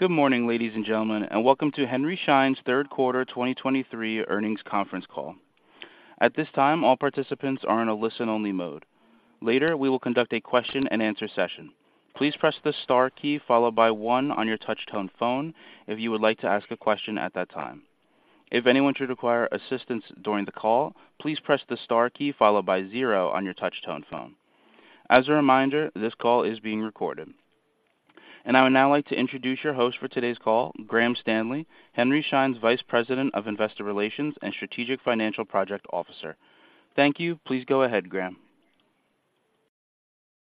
Good morning, ladies and gentlemen, and welcome to Henry Schein's Third Quarter 2023 Earnings Conference Call. At this time, all participants are in a listen-only mode. Later, we will conduct a question-and-answer session. Please press the star key followed by one on your touchtone phone if you would like to ask a question at that time. If anyone should require assistance during the call, please press the star key followed by zero on your touchtone phone. As a reminder, this call is being recorded. I would now like to introduce your host for today's call, Graham Stanley, Henry Schein's Vice President of Investor Relations and Strategic Financial Project Officer. Thank you. Please go ahead, Graham.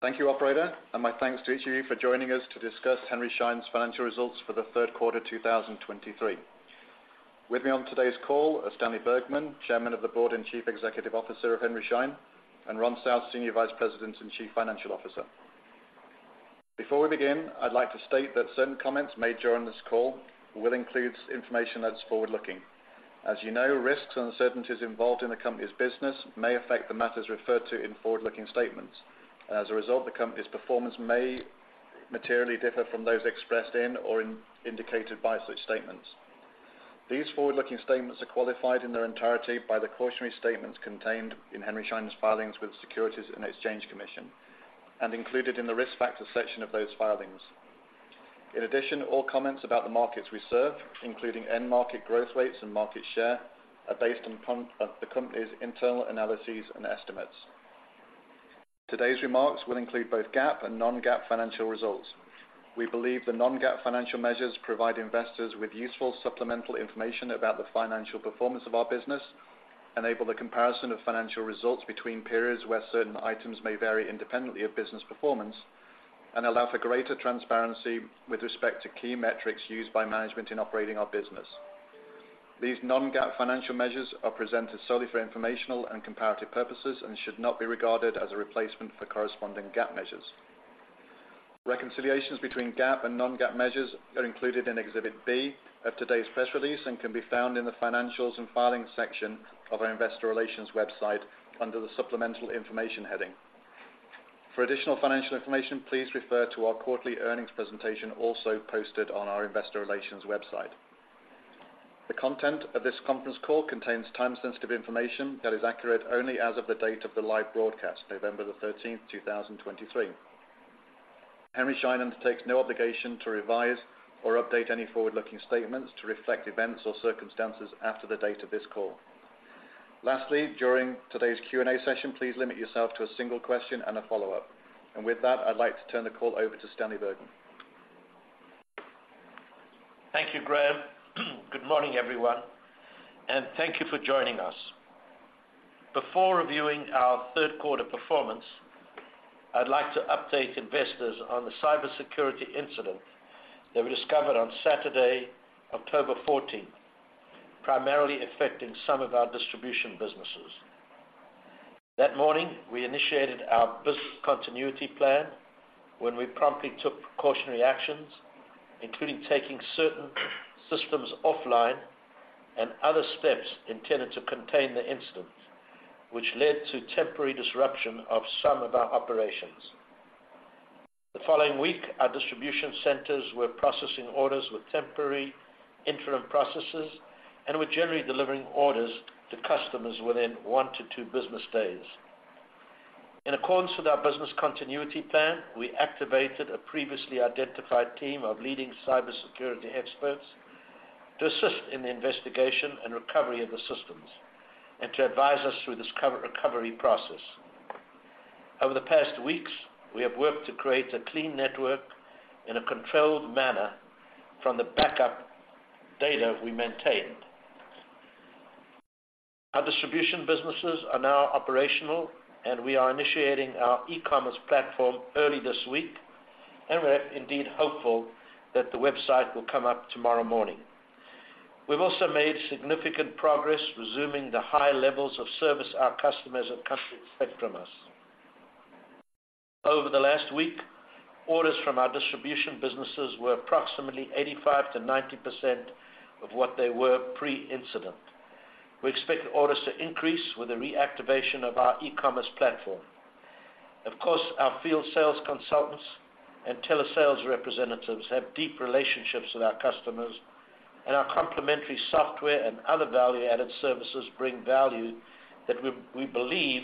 Thank you, operator, and my thanks to each of you for joining us to discuss Henry Schein's Financial Results for the Third Quarter 2023. With me on today's call are Stanley Bergman, Chairman of the Board and Chief Executive Officer of Henry Schein, and Ron South, Senior Vice President and Chief Financial Officer. Before we begin, I'd like to state that certain comments made during this call will include information that's forward-looking. As you know, risks and uncertainties involved in the company's business may affect the matters referred to in forward-looking statements. As a result, the company's performance may materially differ from those expressed in or indicated by such statements. These forward-looking statements are qualified in their entirety by the cautionary statements contained in Henry Schein's filings with the Securities and Exchange Commission, and included in the Risk Factors section of those filings. In addition, all comments about the markets we serve, including end market growth rates and market share, are based on the company's internal analyses and estimates. Today's remarks will include both GAAP and non-GAAP financial results. We believe the non-GAAP financial measures provide investors with useful supplemental information about the financial performance of our business, enable the comparison of financial results between periods where certain items may vary independently of business performance, and allow for greater transparency with respect to key metrics used by management in operating our business. These non-GAAP financial measures are presented solely for informational and comparative purposes and should not be regarded as a replacement for corresponding GAAP measures. Reconciliations between GAAP and non-GAAP measures are included in Exhibit B of today's press release and can be found in the Financials and Filings section of our Investor Relations website under the Supplemental Information heading. For additional financial information, please refer to our quarterly earnings presentation, also posted on our Investor Relations website. The content of this conference call contains time-sensitive information that is accurate only as of the date of the live broadcast, November 13, 2023. Henry Schein undertakes no obligation to revise or update any forward-looking statements to reflect events or circumstances after the date of this call. Lastly, during today's Q&A session, please limit yourself to a single question and a follow-up. And with that, I'd like to turn the call over to Stanley Bergman. Thank you, Graham. Good morning, everyone, and thank you for joining us. Before reviewing our third quarter performance, I'd like to update investors on the cybersecurity incident that we discovered on Saturday, October fourteenth, primarily affecting some of our distribution businesses. That morning, we initiated our business continuity plan. When we promptly took precautionary actions, including taking certain systems offline and other steps intended to contain the incident, which led to temporary disruption of some of our operations. The following week, our distribution centers were processing orders with temporary interim processes and were generally delivering orders to customers within one-two business days. In accordance with our business continuity plan, we activated a previously identified team of leading cybersecurity experts to assist in the investigation and recovery of the systems and to advise us through this cyber-recovery process. Over the past weeks, we have worked to create a clean network in a controlled manner from the backup data we maintained. Our distribution businesses are now operational, and we are initiating our e-commerce platform early this week, and we're indeed hopeful that the website will come up tomorrow morning. We've also made significant progress resuming the high levels of service our customers have come to expect from us. Over the last week, orders from our distribution businesses were approximately 85%-90% of what they were pre-incident. We expect orders to increase with the reactivation of our e-commerce platform. Of course, our field sales consultants and Telesales representatives have deep relationships with our customers, and our complementary software and other value-added services bring value that we, we believe,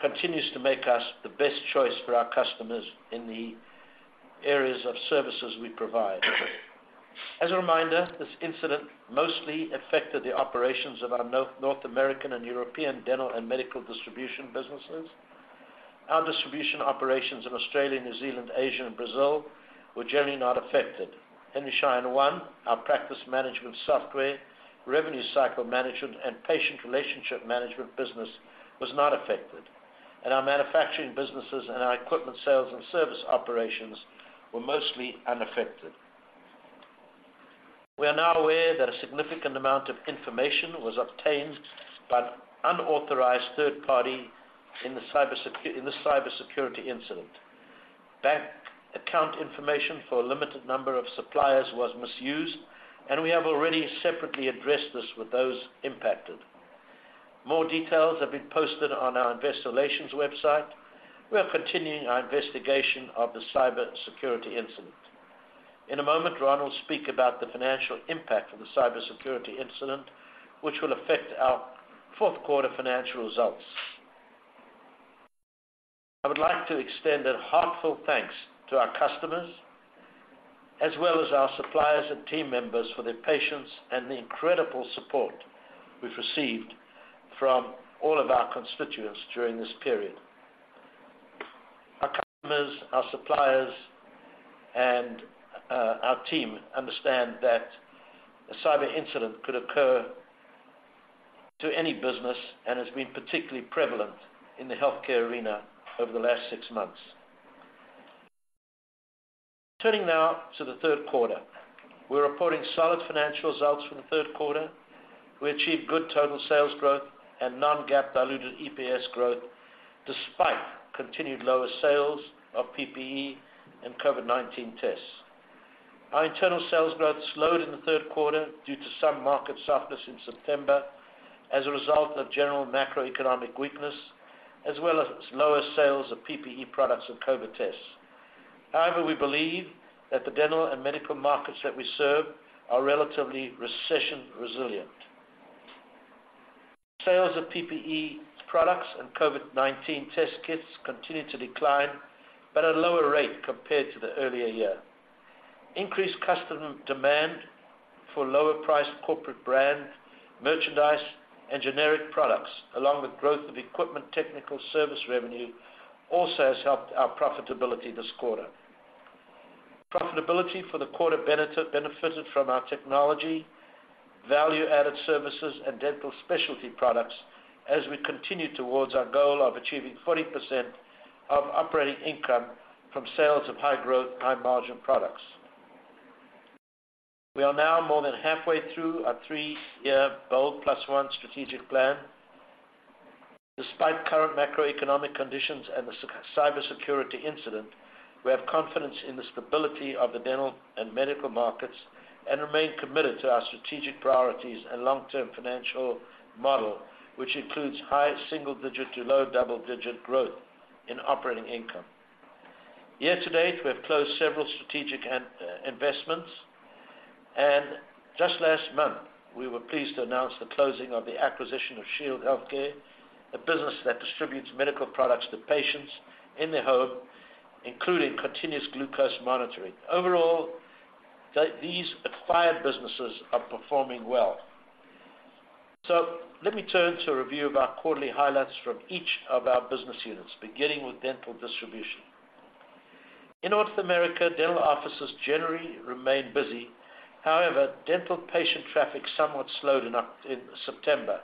continues to make us the best choice for our customers in the areas of services we provide. As a reminder, this incident mostly affected the operations of our North American and European dental and medical distribution businesses. Our distribution operations in Australia, New Zealand, Asia, and Brazil were generally not affected. Henry Schein One, our Practice Management Software, revenue cycle management, and patient relationship management business was not affected, and our manufacturing businesses and our equipment sales and service operations were mostly unaffected. We are now aware that a significant amount of information was obtained by an unauthorized third party in this cybersecurity incident. Bank account information for a limited number of suppliers was misused, and we have already separately addressed this with those impacted. More details have been posted on our investor relations website. We are continuing our investigation of the cybersecurity incident. In a moment, Ron will speak about the financial impact of the cybersecurity incident, which will affect our fourth quarter financial results. I would like to extend a heartfelt thanks to our customers, as well as our suppliers and team members, for their patience and the incredible support we've received from all of our constituents during this period. Our customers, our suppliers, and our team understand that a cyber incident could occur to any business, and has been particularly prevalent in the healthcare arena over the last six months. Turning now to the third quarter. We're reporting solid financial results for the third quarter. We achieved good total sales growth and non-GAAP diluted EPS growth, despite continued lower sales of PPE and COVID-19 tests. Our internal sales growth slowed in the third quarter due to some market softness in September, as a result of general macroeconomic weakness, as well as lower sales of PPE products and COVID tests. However, we believe that the dental and medical markets that we serve are relatively recession-resilient. Sales of PPE products and COVID-19 Test Kits continued to decline, but at a lower rate compared to the earlier year. Increased customer demand for lower-priced corporate brand, merchandise, and generic products, along with growth of equipment technical service revenue, also has helped our profitability this quarter. Profitability for the quarter benefited from our technology, value-added services, and dental specialty products as we continue towards our goal of achieving 40% of operating income from sales of high-growth, high-margin products. We are now more than halfway through our three-year BOLD+1 strategic plan. Despite current macroeconomic conditions and the cybersecurity incident, we have confidence in the stability of the dental and medical markets and remain committed to our strategic priorities and long-term financial model, which includes high single-digit to low double-digit growth in operating income. year-to-date, we have closed several strategic and investments, and just last month, we were pleased to announce the closing of the acquisition of Shield Healthcare, a business that distributes medical products to patients in their home, including Continuous Glucose Monitoring. Overall, these acquired businesses are performing well. So let me turn to a review of our quarterly highlights from each of our business units, beginning with dental distribution. In North America, dental offices generally remain busy. However, dental patient traffic somewhat slowed in September.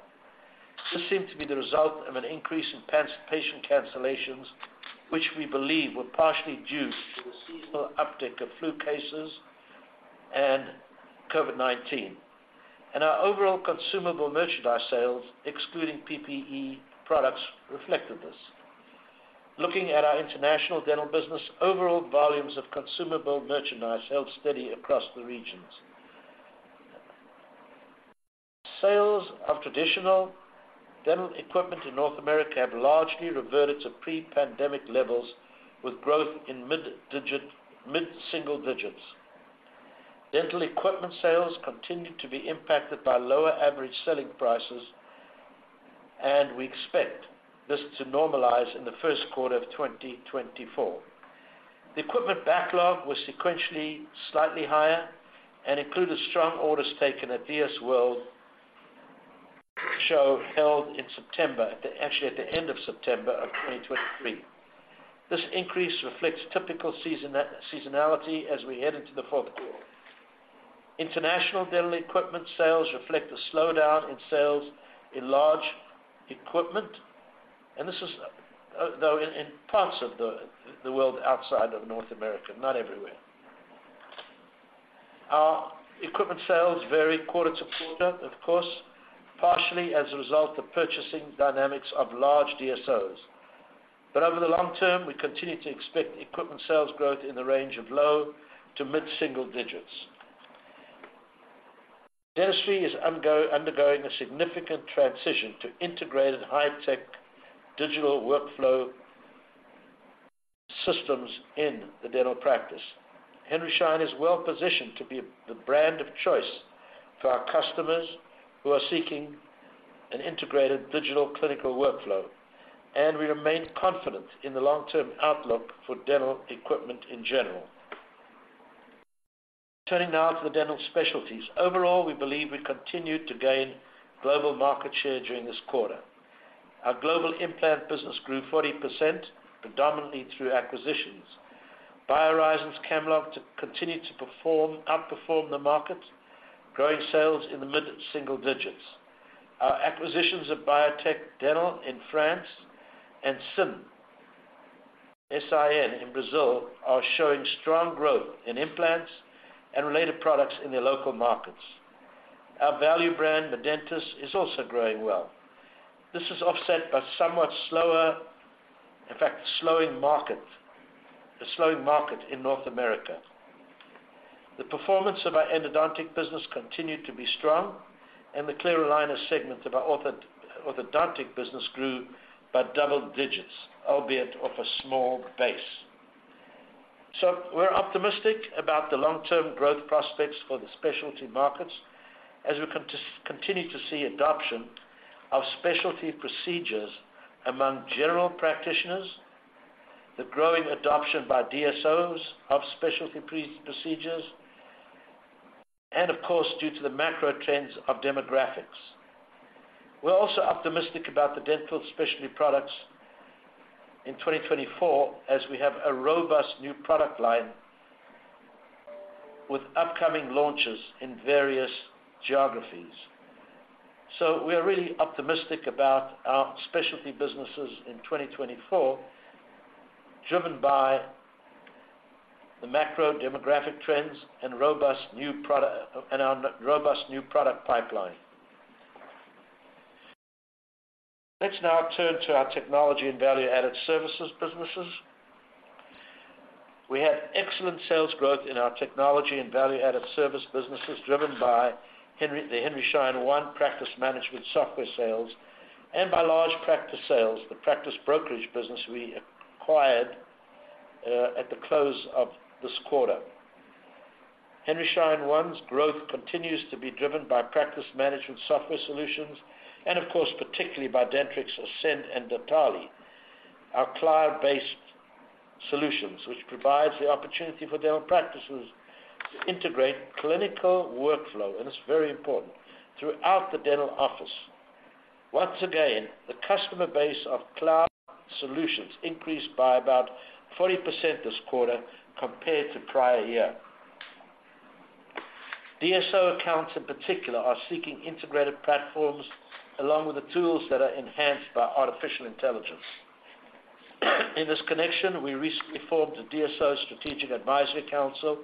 This seemed to be the result of an increase in patient cancellations, which we believe were partially due to the seasonal uptick of flu cases and COVID-19. Our overall consumable merchandise sales, excluding PPE products, reflected this. Looking at our international dental business, overall volumes of consumable merchandise held steady across the regions. Sales of traditional dental equipment in North America have largely reverted to pre-pandemic levels, with growth in mid-single digits. Dental equipment sales continued to be impacted by lower average selling prices, and we expect this to normalize in the first quarter of 2024. The equipment backlog was sequentially slightly higher and included strong orders taken at DS World show, held in September, actually, at the end of September of 2023. This increase reflects typical seasonality as we head into the fourth quarter. International dental equipment sales reflect a slowdown in sales in large equipment, and this is, though in parts of the world outside of North America, not everywhere. Our equipment sales vary quarter-to-quarter, of course, partially as a result of purchasing dynamics of large DSOs. But over the long term, we continue to expect equipment sales growth in the range of low to mid single digits. Dentistry is undergoing a significant transition to integrated, high-tech digital workflow systems in the dental practice. Henry Schein is well positioned to be the brand of choice for our customers who are seeking an integrated digital clinical workflow, and we remain confident in the long-term outlook for dental equipment in general. Turning now to the dental specialties. Overall, we believe we continued to gain global market share during this quarter. Our global implant business grew 40%, predominantly through acquisitions. BioHorizons and Camlog continued to perform, outperform the market, growing sales in the mid-single digits. Our acquisitions of Biotech Dental in France and SIN, S-I-N in Brazil, are showing strong growth in implants and related products in their local markets. Our value brand, The Dentist, is also growing well. This is offset by somewhat slower, in fact, slowing market, a slowing market in North America. The performance of our endodontic business continued to be strong, and the Clear Aligner segment of our orthodontic business grew by double digits, albeit of a small base. So we're optimistic about the long-term growth prospects for the specialty markets as we continue to see adoption of specialty procedures among general practitioners, the growing adoption by DSOs of specialty procedures, and of course, due to the macro trends of demographics. We're also optimistic about the dental specialty products in 2024, as we have a robust new product line with upcoming launches in various geographies. So we are really optimistic about our specialty businesses in 2024, driven by the macro demographic trends and robust new product, and our robust new product pipeline. Let's now turn to our technology and value-added services businesses. We had excellent sales growth in our technology and value-added service businesses, driven by Henry Schein One Practice Management Software sales and by large practice sales, the practice brokerage business we acquired at the close of this quarter. Henry Schein One's growth continues to be driven by Practice Management Software solutions, and of course, particularly by Dentrix Ascend, and Dentally, our cloud-based solutions, which provides the opportunity for dental practices to integrate clinical workflow, and it's very important, throughout the dental office. Once again, the customer base of cloud solutions increased by about 40% this quarter compared to prior year. DSO accounts, in particular, are seeking integrated platforms, along with the tools that are enhanced by artificial intelligence. In this connection, we recently formed a DSO Strategic Advisory Council,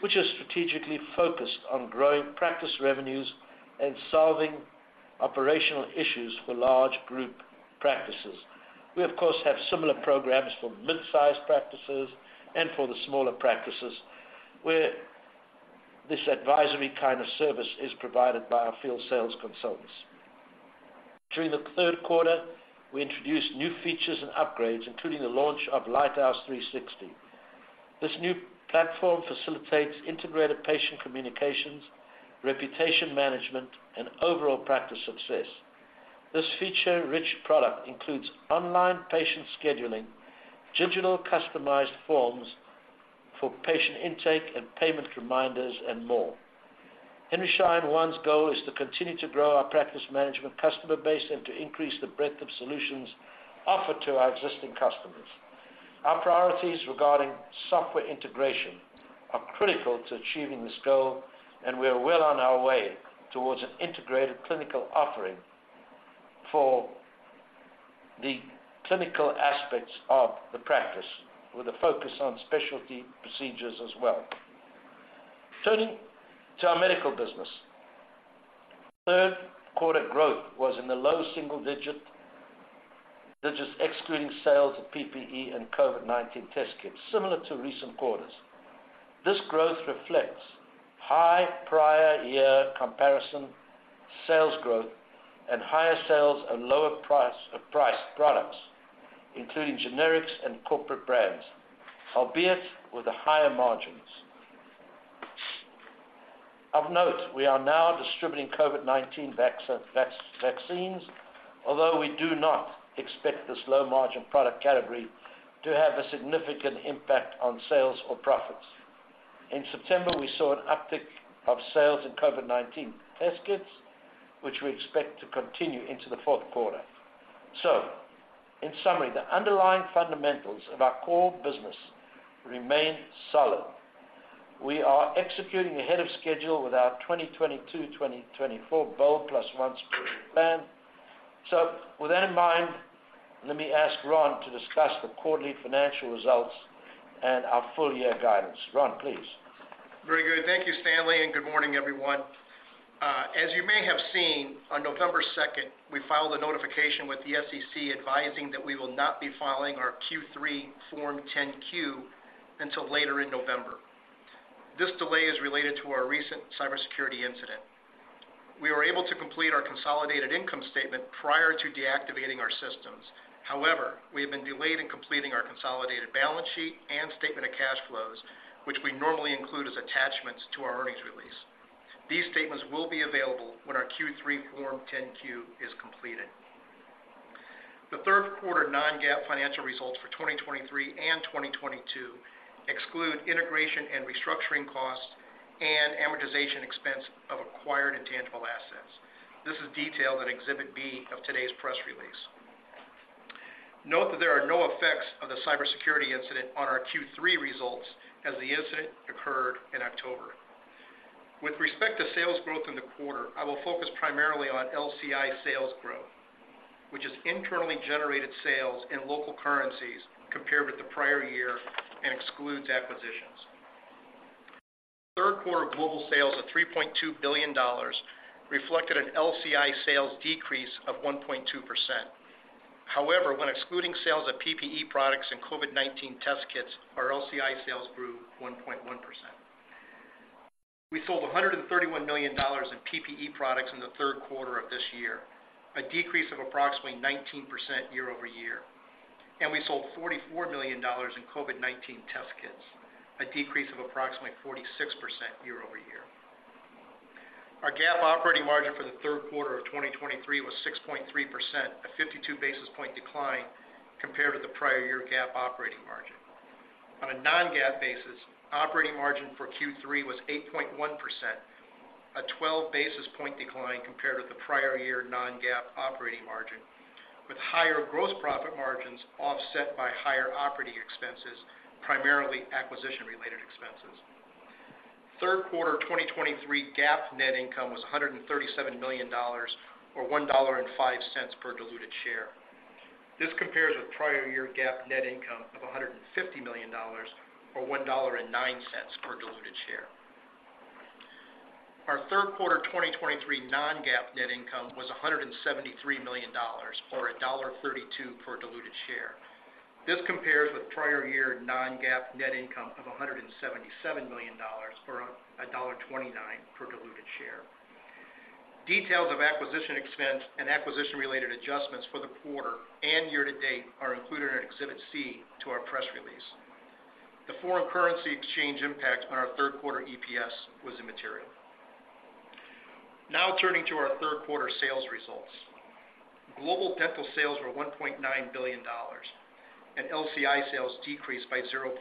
which is strategically focused on growing practice revenues and solving operational issues for large group practices. We, of course, have similar programs for mid-sized practices and for the smaller practices, where this advisory kind of service is provided by our field sales consultants. During the third quarter, we introduced new features and upgrades, including the launch of Lighthouse 360. This new platform facilitates integrated patient communications, reputation management, and overall practice success. This feature-rich product includes online patient scheduling, digital customized forms for patient intake and payment reminders, and more. Henry Schein One's goal is to continue to grow our practice management customer base and to increase the breadth of solutions offered to our existing customers. Our priorities regarding software integration are critical to achieving this goal, and we are well on our way towards an integrated clinical offering for the clinical aspects of the practice, with a focus on specialty procedures as well. Turning to our medical business. Third quarter growth was in the low single digits, excluding sales of PPE and COVID-19 Test Kits, similar to recent quarters. This growth reflects high prior year comparison, sales growth, and higher sales at lower price, price products, including generics and corporate brands, albeit with higher margins. Of note, we are now distributing COVID-19 vaccines, although we do not expect this low-margin product category to have a significant impact on sales or profits. In September, we saw an uptick of sales in COVID-19 Test Kits, which we expect to continue into the fourth quarter. So, in summary, the underlying fundamentals of our core business remain solid. We are executing ahead of schedule with our 2022-2024 BOLD+1 strategic plan. So with that in mind, let me ask Ron to discuss the quarterly financial results and our full-year guidance. Ron, please. Very good. Thank you, Stanley, and good morning, everyone. As you may have seen, on November 2nd, we filed a notification with the SEC, advising that we will not be filing our Q3 Form 10-Q until later in November. This delay is related to our recent cybersecurity incident. We were able to complete our consolidated income statement prior to deactivating our systems. However, we have been delayed in completing our consolidated balance sheet and statement of cash flows, which we normally include as attachments to our earnings release. These statements will be available when our Q3 Form 10-Q is completed. The third quarter non-GAAP financial results for 2023 and 2022 exclude integration and restructuring costs and amortization expense of acquired intangible assets. This is detailed in Exhibit B of today's press release. Note that there are no effects of the cybersecurity incident on our Q3 results, as the incident occurred in October. With respect to sales growth in the quarter, I will focus primarily on LCI sales growth, which is internally generated sales in local currencies compared with the prior year and excludes acquisitions. Third quarter global sales of $3.2 billion reflected an LCI sales decrease of 1.2%.... However, when excluding sales of PPE products and COVID-19 Test Kits, our LCI sales grew 1.1%. We sold $131 million in PPE products in the third quarter of this year, a decrease of approximately 19% year-over-year, and we sold $44 million in COVID-19 Test Kits, a decrease of approximately 46% year-over-year. Our GAAP operating margin for the third quarter of 2023 was 6.3%, a 52 basis point decline compared to the prior year GAAP operating margin. On a non-GAAP basis, operating margin for Q3 was 8.1%, a 12 basis point decline compared with the prior year non-GAAP operating margin, with higher gross profit margins offset by higher operating expenses, primarily acquisition-related expenses. Third quarter 2023 GAAP net income was $137 million, or $1.05 per diluted share. This compares with prior year GAAP net income of $150 million, or $1.09 per diluted share. Our third quarter 2023 non-GAAP net income was $173 million, or $1.32 per diluted share. This compares with prior year non-GAAP net income of $177 million, or $1.29 per diluted share. Details of acquisition expense and acquisition-related adjustments for the quarter and year-to-date are included in Exhibit C to our press release. The foreign currency exchange impact on our third quarter EPS was immaterial. Now turning to our third quarter sales results. Global dental sales were $1.9 billion, and LCI sales decreased by 0.2%.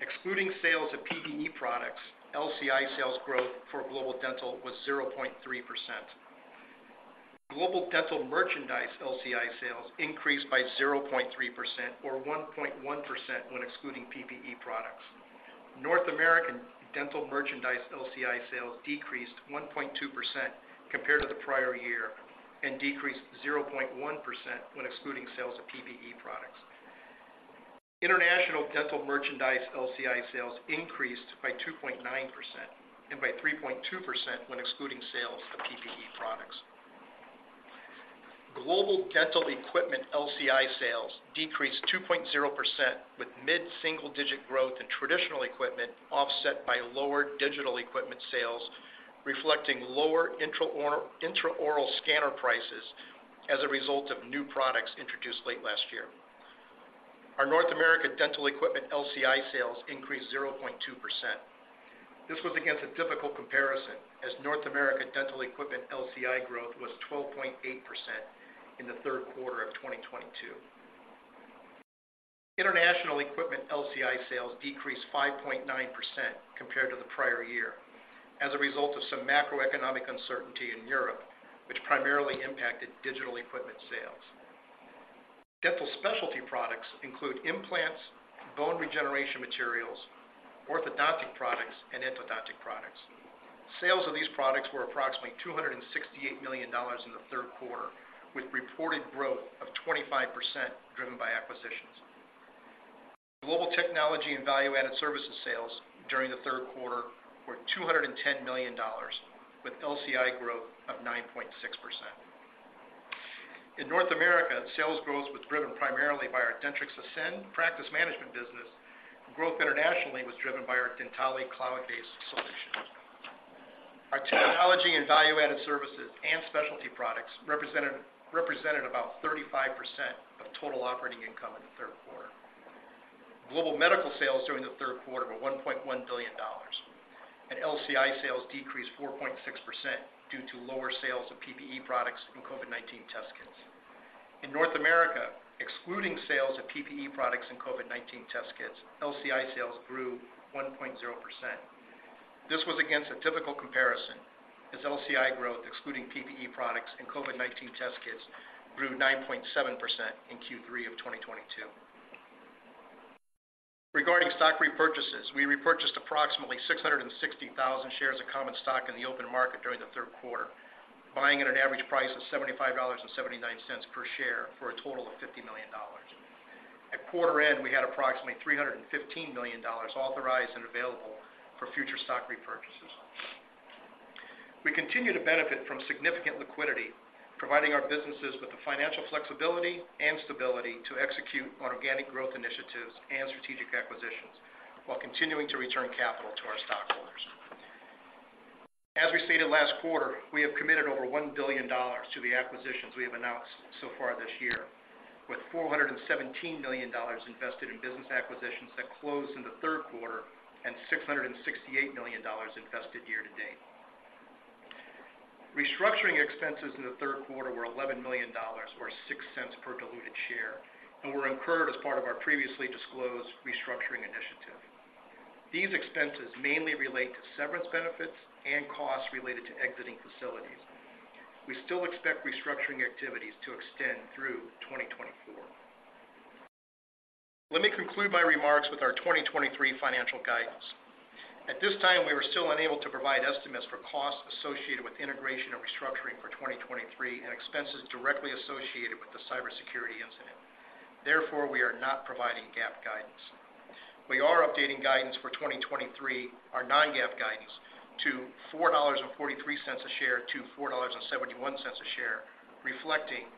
Excluding sales of PPE products, LCI sales growth for global dental was 0.3%. Global dental merchandise LCI sales increased by 0.3%, or 1.1% when excluding PPE products. North American dental merchandise LCI sales decreased 1.2% compared to the prior year and decreased 0.1% when excluding sales of PPE products. International dental merchandise LCI sales increased by 2.9% and by 3.2% when excluding sales of PPE products. Global dental equipment LCI sales decreased 2.0%, with mid-single digit growth in traditional equipment, offset by lower digital equipment sales, reflecting lower intraoral, intraoral scanner prices as a result of new products introduced late last year. Our North America dental equipment LCI sales increased 0.2%. This was against a difficult comparison as North America dental equipment LCI growth was 12.8% in the third quarter of 2022. International equipment LCI sales decreased 5.9% compared to the prior year as a result of some macroeconomic uncertainty in Europe, which primarily impacted digital equipment sales. Dental specialty products include implants, bone regeneration materials, orthodontic products, and endodontic products. Sales of these products were approximately $268 million in the third quarter, with reported growth of 25%, driven by acquisitions. Global technology and value-added services sales during the third quarter were $210 million, with LCI growth of 9.6%. In North America, sales growth was driven primarily by our Dentrix Ascend practice management business. Growth internationally was driven by our Dentally cloud-based solution. Our technology and value-added services and specialty products represented about 35% of total operating income in the third quarter. Global medical sales during the third quarter were $1.1 billion, and LCI sales decreased 4.6% due to lower sales of PPE products and COVID-19 Test Kits. In North America, excluding sales of PPE products and COVID-19 Test Kits, LCI sales grew 1.0%. This was against a difficult comparison, as LCI growth, excluding PPE products and COVID-19 Test Kits, grew 9.7% in Q3 of 2022. Regarding stock repurchases, we repurchased approximately 660,000 shares of common stock in the open market during the third quarter, buying at an average price of $75.79 per share for a total of $50 million. At quarter end, we had approximately $315 million authorized and available for future stock repurchases. We continue to benefit from significant liquidity, providing our businesses with the financial flexibility and stability to execute on organic growth initiatives and strategic acquisitions, while continuing to return capital to our stockholders. As we stated last quarter, we have committed over $1 billion to the acquisitions we have announced so far this year, with $417 million invested in business acquisitions that closed in the third quarter and $668 million invested year-to-date. Restructuring expenses in the third quarter were $11 million, or $0.06 per diluted share, and were incurred as part of our previously disclosed restructuring initiative. These expenses mainly relate to severance benefits and costs related to exiting facilities. We still expect restructuring activities to extend through 2024. Let me conclude my remarks with our 2023 financial guidance. At this time, we were still unable to provide estimates for costs associated with integration and restructuring for 2023 and expenses directly associated with the cybersecurity incident… therefore, we are not providing GAAP guidance. We are updating guidance for 2023, our non-GAAP guidance, to $4.43 per share-$4.71 per share, reflecting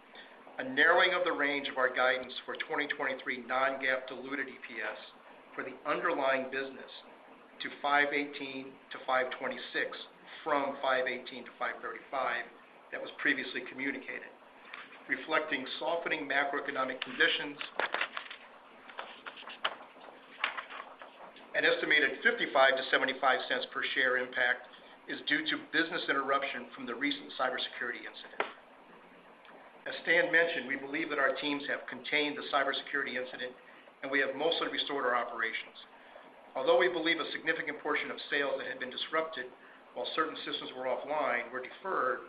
a narrowing of the range of our guidance for 2023 non-GAAP diluted EPS for the underlying business to $5.18-$5.26, from $5.18-$5.35 that was previously communicated, reflecting softening macroeconomic conditions. An estimated $0.55-$0.75 per share impact is due to business interruption from the recent cybersecurity incident. As Stan mentioned, we believe that our teams have contained the cybersecurity incident, and we have mostly restored our operations. Although we believe a significant portion of sales that had been disrupted while certain systems were offline were deferred,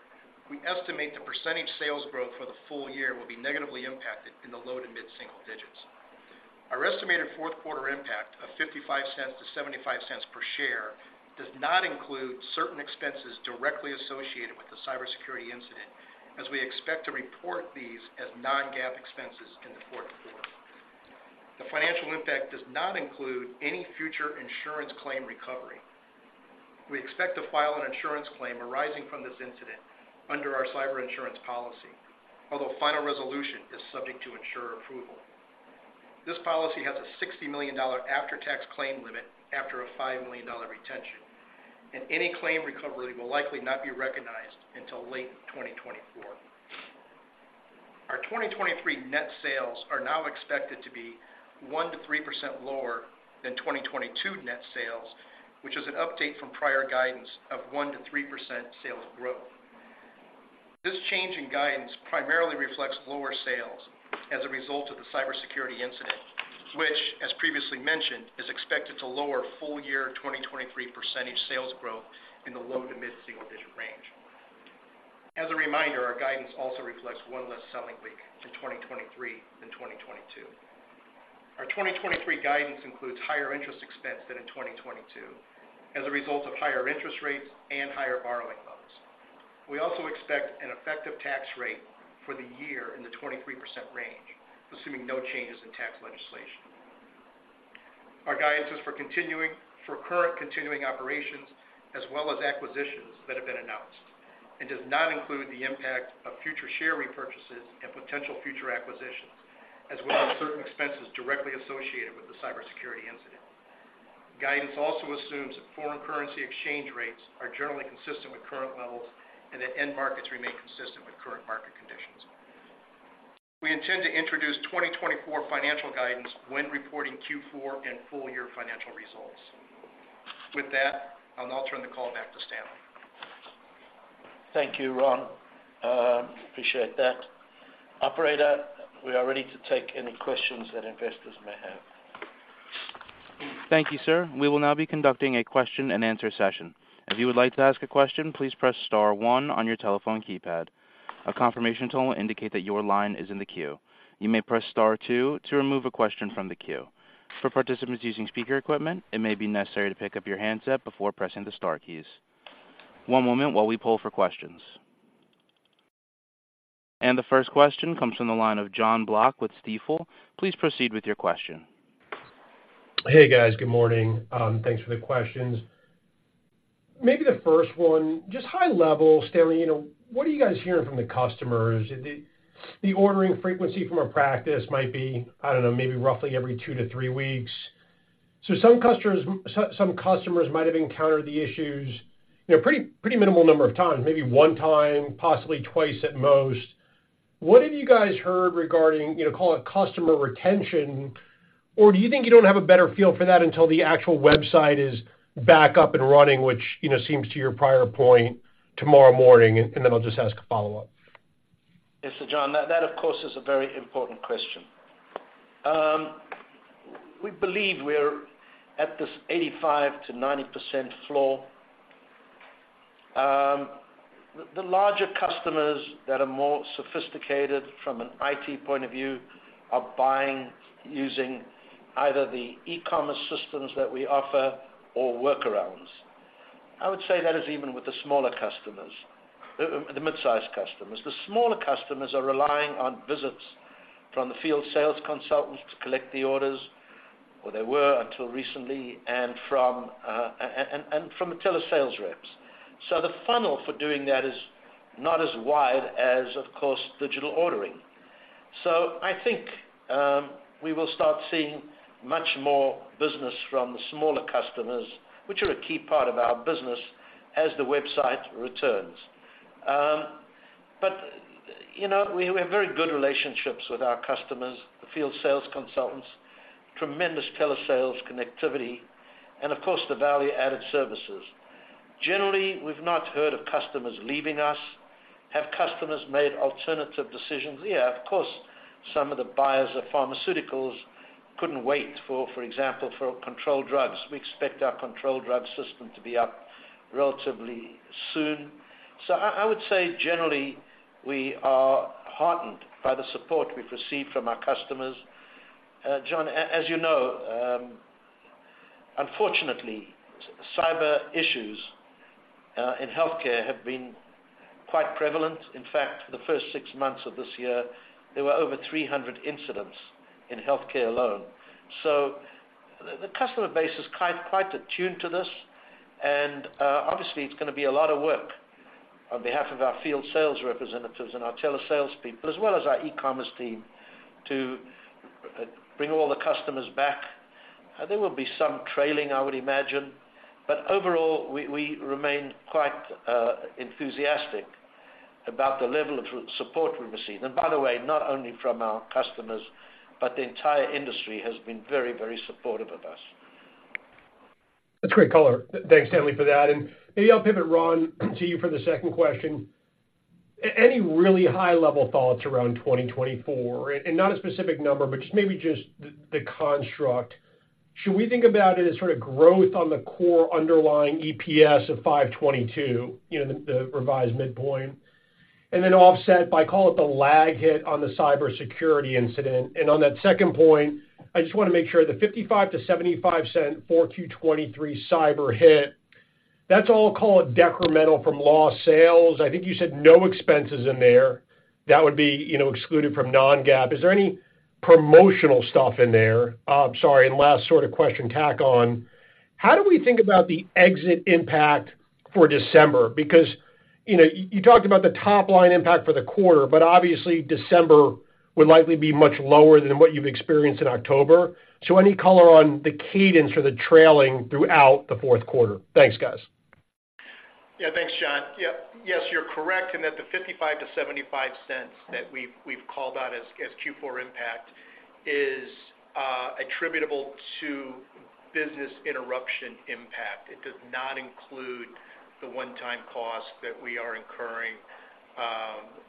we estimate the percentage sales growth for the full year will be negatively impacted in the low to mid-single digits. Our estimated fourth quarter impact of $0.55-$0.75 per share does not include certain expenses directly associated with the cybersecurity incident, as we expect to report these as non-GAAP expenses in the fourth quarter. The financial impact does not include any future insurance claim recovery. We expect to file an insurance claim arising from this incident under our cyber insurance policy, although final resolution is subject to insurer approval. This policy has a $60 million after-tax claim limit after a $5 million retention, and any claim recovery will likely not be recognized until late 2024. Our 2023 net sales are now expected to be 1%-3% lower than 2022 net sales, which is an update from prior guidance of 1%-3% sales growth. This change in guidance primarily reflects lower sales as a result of the cybersecurity incident, which, as previously mentioned, is expected to lower full-year 2023 percentage sales growth in the low to mid single digit range. As a reminder, our guidance also reflects one less selling week in 2023 than 2022. Our 2023 guidance includes higher interest expense than in 2022 as a result of higher interest rates and higher borrowing levels. We also expect an effective tax rate for the year in the 23% range, assuming no changes in tax legislation. Our guidance is for current continuing operations as well as acquisitions that have been announced and does not include the impact of future share repurchases and potential future acquisitions, as well as certain expenses directly associated with the cybersecurity incident. Guidance also assumes that foreign currency exchange rates are generally consistent with current levels and that end markets remain consistent with current market conditions. We intend to introduce 2024 financial guidance when reporting Q4 and full year financial results. With that, I'll now turn the call back to Stanley. Thank you, Ron. Appreciate that. Operator, we are ready to take any questions that investors may have. Thank you, sir. We will now be conducting a question-and-answer session. If you would like to ask a question, please press star one on your telephone keypad. A confirmation tone will indicate that your line is in the queue. You may press star two to remove a question from the queue. For participants using speaker equipment, it may be necessary to pick up your handset before pressing the star keys. One moment while we poll for questions. The first question comes from the line of John Block with Stifel. Please proceed with your question. Hey, guys. Good morning. Thanks for the questions. Maybe the first one, just high level, Stanley, you know, what are you guys hearing from the customers? The ordering frequency from a practice might be, I don't know, maybe roughly every two-three weeks. So some customers might have encountered the issues, you know, pretty minimal number of times, maybe one time, possibly twice at most. What have you guys heard regarding, you know, call it customer retention, or do you think you don't have a better feel for that until the actual website is back up and running, which, you know, seems to your prior point tomorrow morning? And then I'll just ask a follow-up. Yes, so John, that of course is a very important question. We believe we're at this 85%-90% floor. The larger customers that are more sophisticated from an IT point of view are buying, using either the e-commerce systems that we offer or workarounds. I would say that is even with the smaller customers, the mid-sized customers. The smaller customers are relying on visits from the field sales consultants to collect the orders, or they were until recently, and from Telesales reps. So the funnel for doing that is not as wide as, of course, digital ordering. So I think, we will start seeing much more business from the smaller customers, which are a key part of our business, as the website returns. But, you know, we have very good relationships with our customers, the field sales consultants, tremendous Telesales connectivity, and of course, the value-added services. Generally, we've not heard of customers leaving us. Have customers made alternative decisions? Yeah, of course, some of the buyers of pharmaceuticals couldn't wait for, for example, controlled drugs. We expect our controlled drug system to be up relatively soon. So I would say generally, we are heartened by the support we've received from our customers. John, as you know, unfortunately, cyber issues in healthcare have been quite prevalent. In fact, for the first six months of this year, there were over 300 incidents in healthcare alone. So the customer base is quite, quite attuned to this, and, obviously, it's gonna be a lot of work on behalf of our field sales representatives and our Telesales people, as well as our e-commerce team, to, bring all the customers back. There will be some trailing, I would imagine, but overall, we, we remain quite, enthusiastic about the level of support we've received. And by the way, not only from our customers, but the entire industry has been very, very supportive of us. That's great color. Thanks, Stanley, for that. And maybe I'll pivot, Ron, to you for the second question. Any really high-level thoughts around 2024, and not a specific number, but just maybe just the, the construct. Should we think about it as sort of growth on the core underlying EPS of $5.22, you know, the, the revised midpoint, and then offset by, call it, the lag hit on the cybersecurity incident? And on that second point, I just wanna make sure the $0.55-$0.75 for 2023 cyber hit, that's all, call it, decremental from lost sales. I think you said no expenses in there. That would be, you know, excluded from non-GAAP. Is there any promotional stuff in there? Sorry, and last sort of question tack on, how do we think about the exit impact for December? Because, you know, you talked about the top-line impact for the quarter, but obviously, December would likely be much lower than what you've experienced in October. So any color on the cadence or the trailing throughout the fourth quarter? Thanks, guys. Yeah, thanks, John. Yep. Yes, you're correct in that the $0.55-$0.75 that we've called out as Q4 impact is attributable to business interruption impact. It does not include the one-time costs that we are incurring,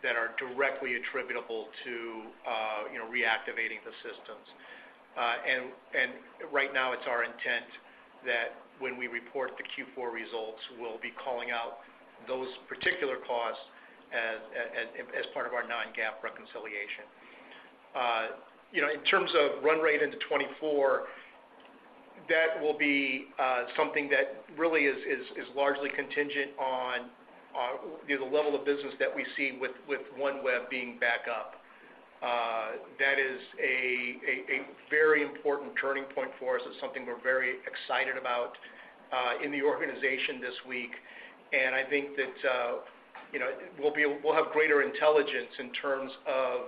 that are directly attributable to, you know, reactivating the systems. And right now, it's our intent that when we report the Q4 results, we'll be calling out those particular costs as part of our non-GAAP reconciliation. You know, in terms of run rate into 2024, that will be something that really is largely contingent on the level of business that we see with OneWeb being back up. That is a very important turning point for us. It's something we're very excited about in the organization this week, and I think that, you know, we'll have greater intelligence in terms of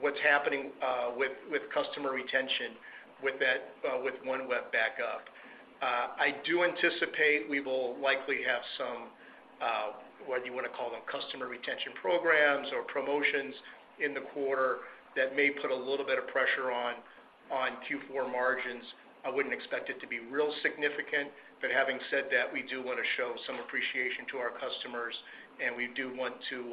what's happening with customer retention with that, with OneWeb back up. I do anticipate we will likely have some, whether you wanna call them customer retention programs or promotions in the quarter that may put a little bit of pressure on Q4 margins. I wouldn't expect it to be real significant, but having said that, we do wanna show some appreciation to our customers, and we do want to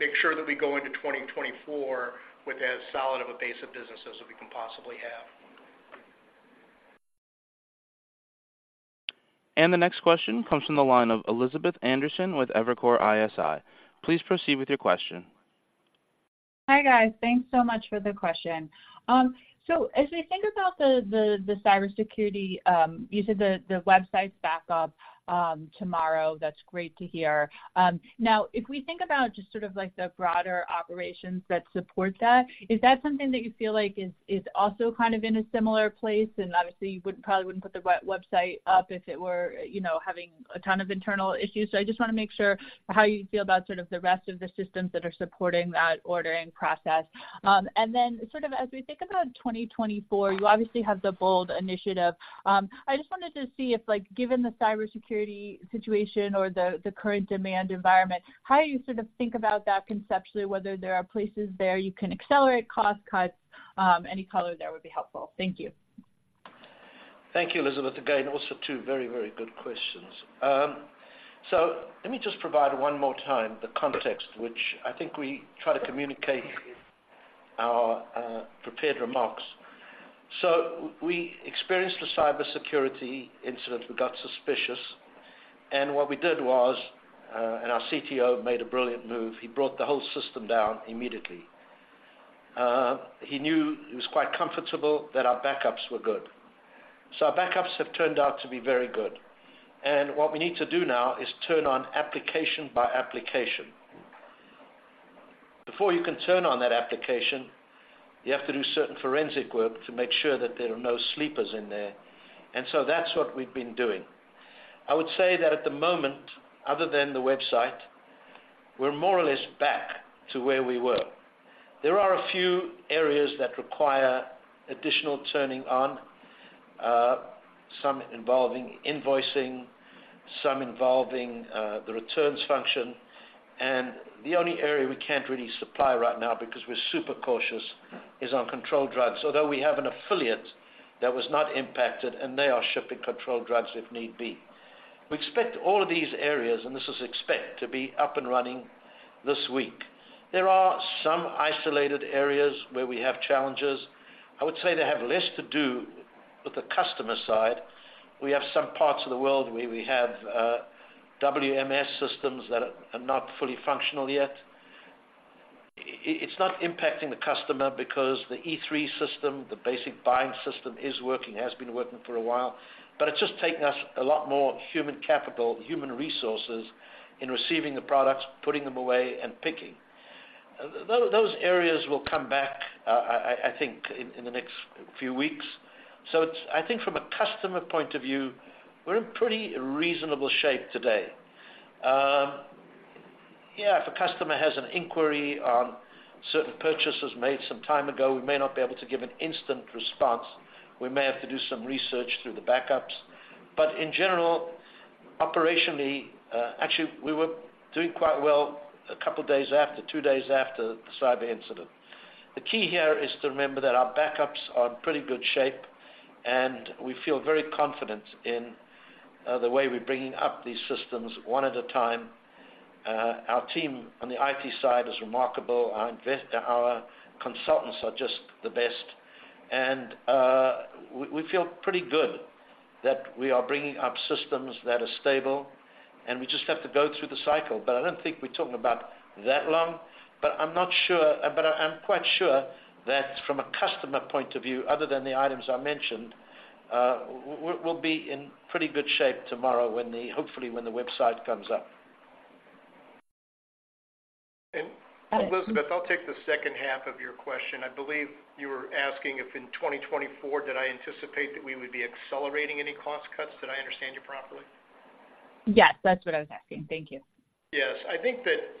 make sure that we go into 2024 with as solid of a base of business as we can possibly have. The next question comes from the line of Elizabeth Anderson with Evercore ISI. Please proceed with your question. Hi, guys. Thanks so much for the question. So as we think about the cybersecurity, you said the website's back up tomorrow. That's great to hear. Now, if we think about just sort of like the broader operations that support that, is that something that you feel like is also kind of in a similar place? And obviously, you wouldn't probably wouldn't put the website up if it were, you know, having a ton of internal issues. So I just wanna make sure how you feel about sort of the rest of the systems that are supporting that ordering process. And then sort of as we think about 2024, you obviously have the Bold initiative. I just wanted to see if, like, given the cybersecurity situation or the current demand environment, how you sort of think about that conceptually, whether there are places there you can accelerate cost cuts, any color there would be helpful. Thank you. Thank you, Elizabeth. Again, also two very, very good questions. So let me just provide one more time the context which I think we try to communicate our prepared remarks. So we experienced a cybersecurity incident. We got suspicious, and what we did was, and our CTO made a brilliant move, he brought the whole system down immediately. He knew he was quite comfortable that our backups were good. So our backups have turned out to be very good, and what we need to do now is turn on application by application. Before you can turn on that application, you have to do certain forensic work to make sure that there are no sleepers in there, and so that's what we've been doing. I would say that at the moment, other than the website, we're more or less back to where we were. There are a few areas that require additional turning on, some involving invoicing, some involving, the returns function, and the only area we can't really supply right now because we're super cautious, is on controlled drugs. Although we have an affiliate that was not impacted, and they are shipping controlled drugs if need be. We expect all of these areas, and this is expect, to be up and running this week. There are some isolated areas where we have challenges. I would say they have less to do with the customer side. We have some parts of the world where we have, WMS systems that are not fully functional yet. It's not impacting the customer because the E3 System, the basic buying system, is working, has been working for a while, but it's just taking us a lot more human capital, human resources, in receiving the products, putting them away, and picking. Those areas will come back, I think, in the next few weeks. So I think from a customer point of view, we're in pretty reasonable shape today. Yeah, if a customer has an inquiry on certain purchases made some time ago, we may not be able to give an instant response. We may have to do some research through the backups. But in general, operationally, actually, we were doing quite well a couple of days after, two days after the cyber incident. The key here is to remember that our backups are in pretty good shape, and we feel very confident in the way we're bringing up these systems one at a time. Our team on the IT side is remarkable. Our invest-- our consultants are just the best, and we feel pretty good that we are bringing up systems that are stable, and we just have to go through the cycle. But I don't think we're talking about that long, but I'm not sure-- but I'm quite sure that from a customer point of view, other than the items I mentioned, we'll be in pretty good shape tomorrow when the... hopefully, when the website comes up. Elizabeth, I'll take the second half of your question. I believe you were asking if in 2024, did I anticipate that we would be accelerating any cost cuts? Did I understand you properly? Yes, that's what I was asking. Thank you. Yes, I think that,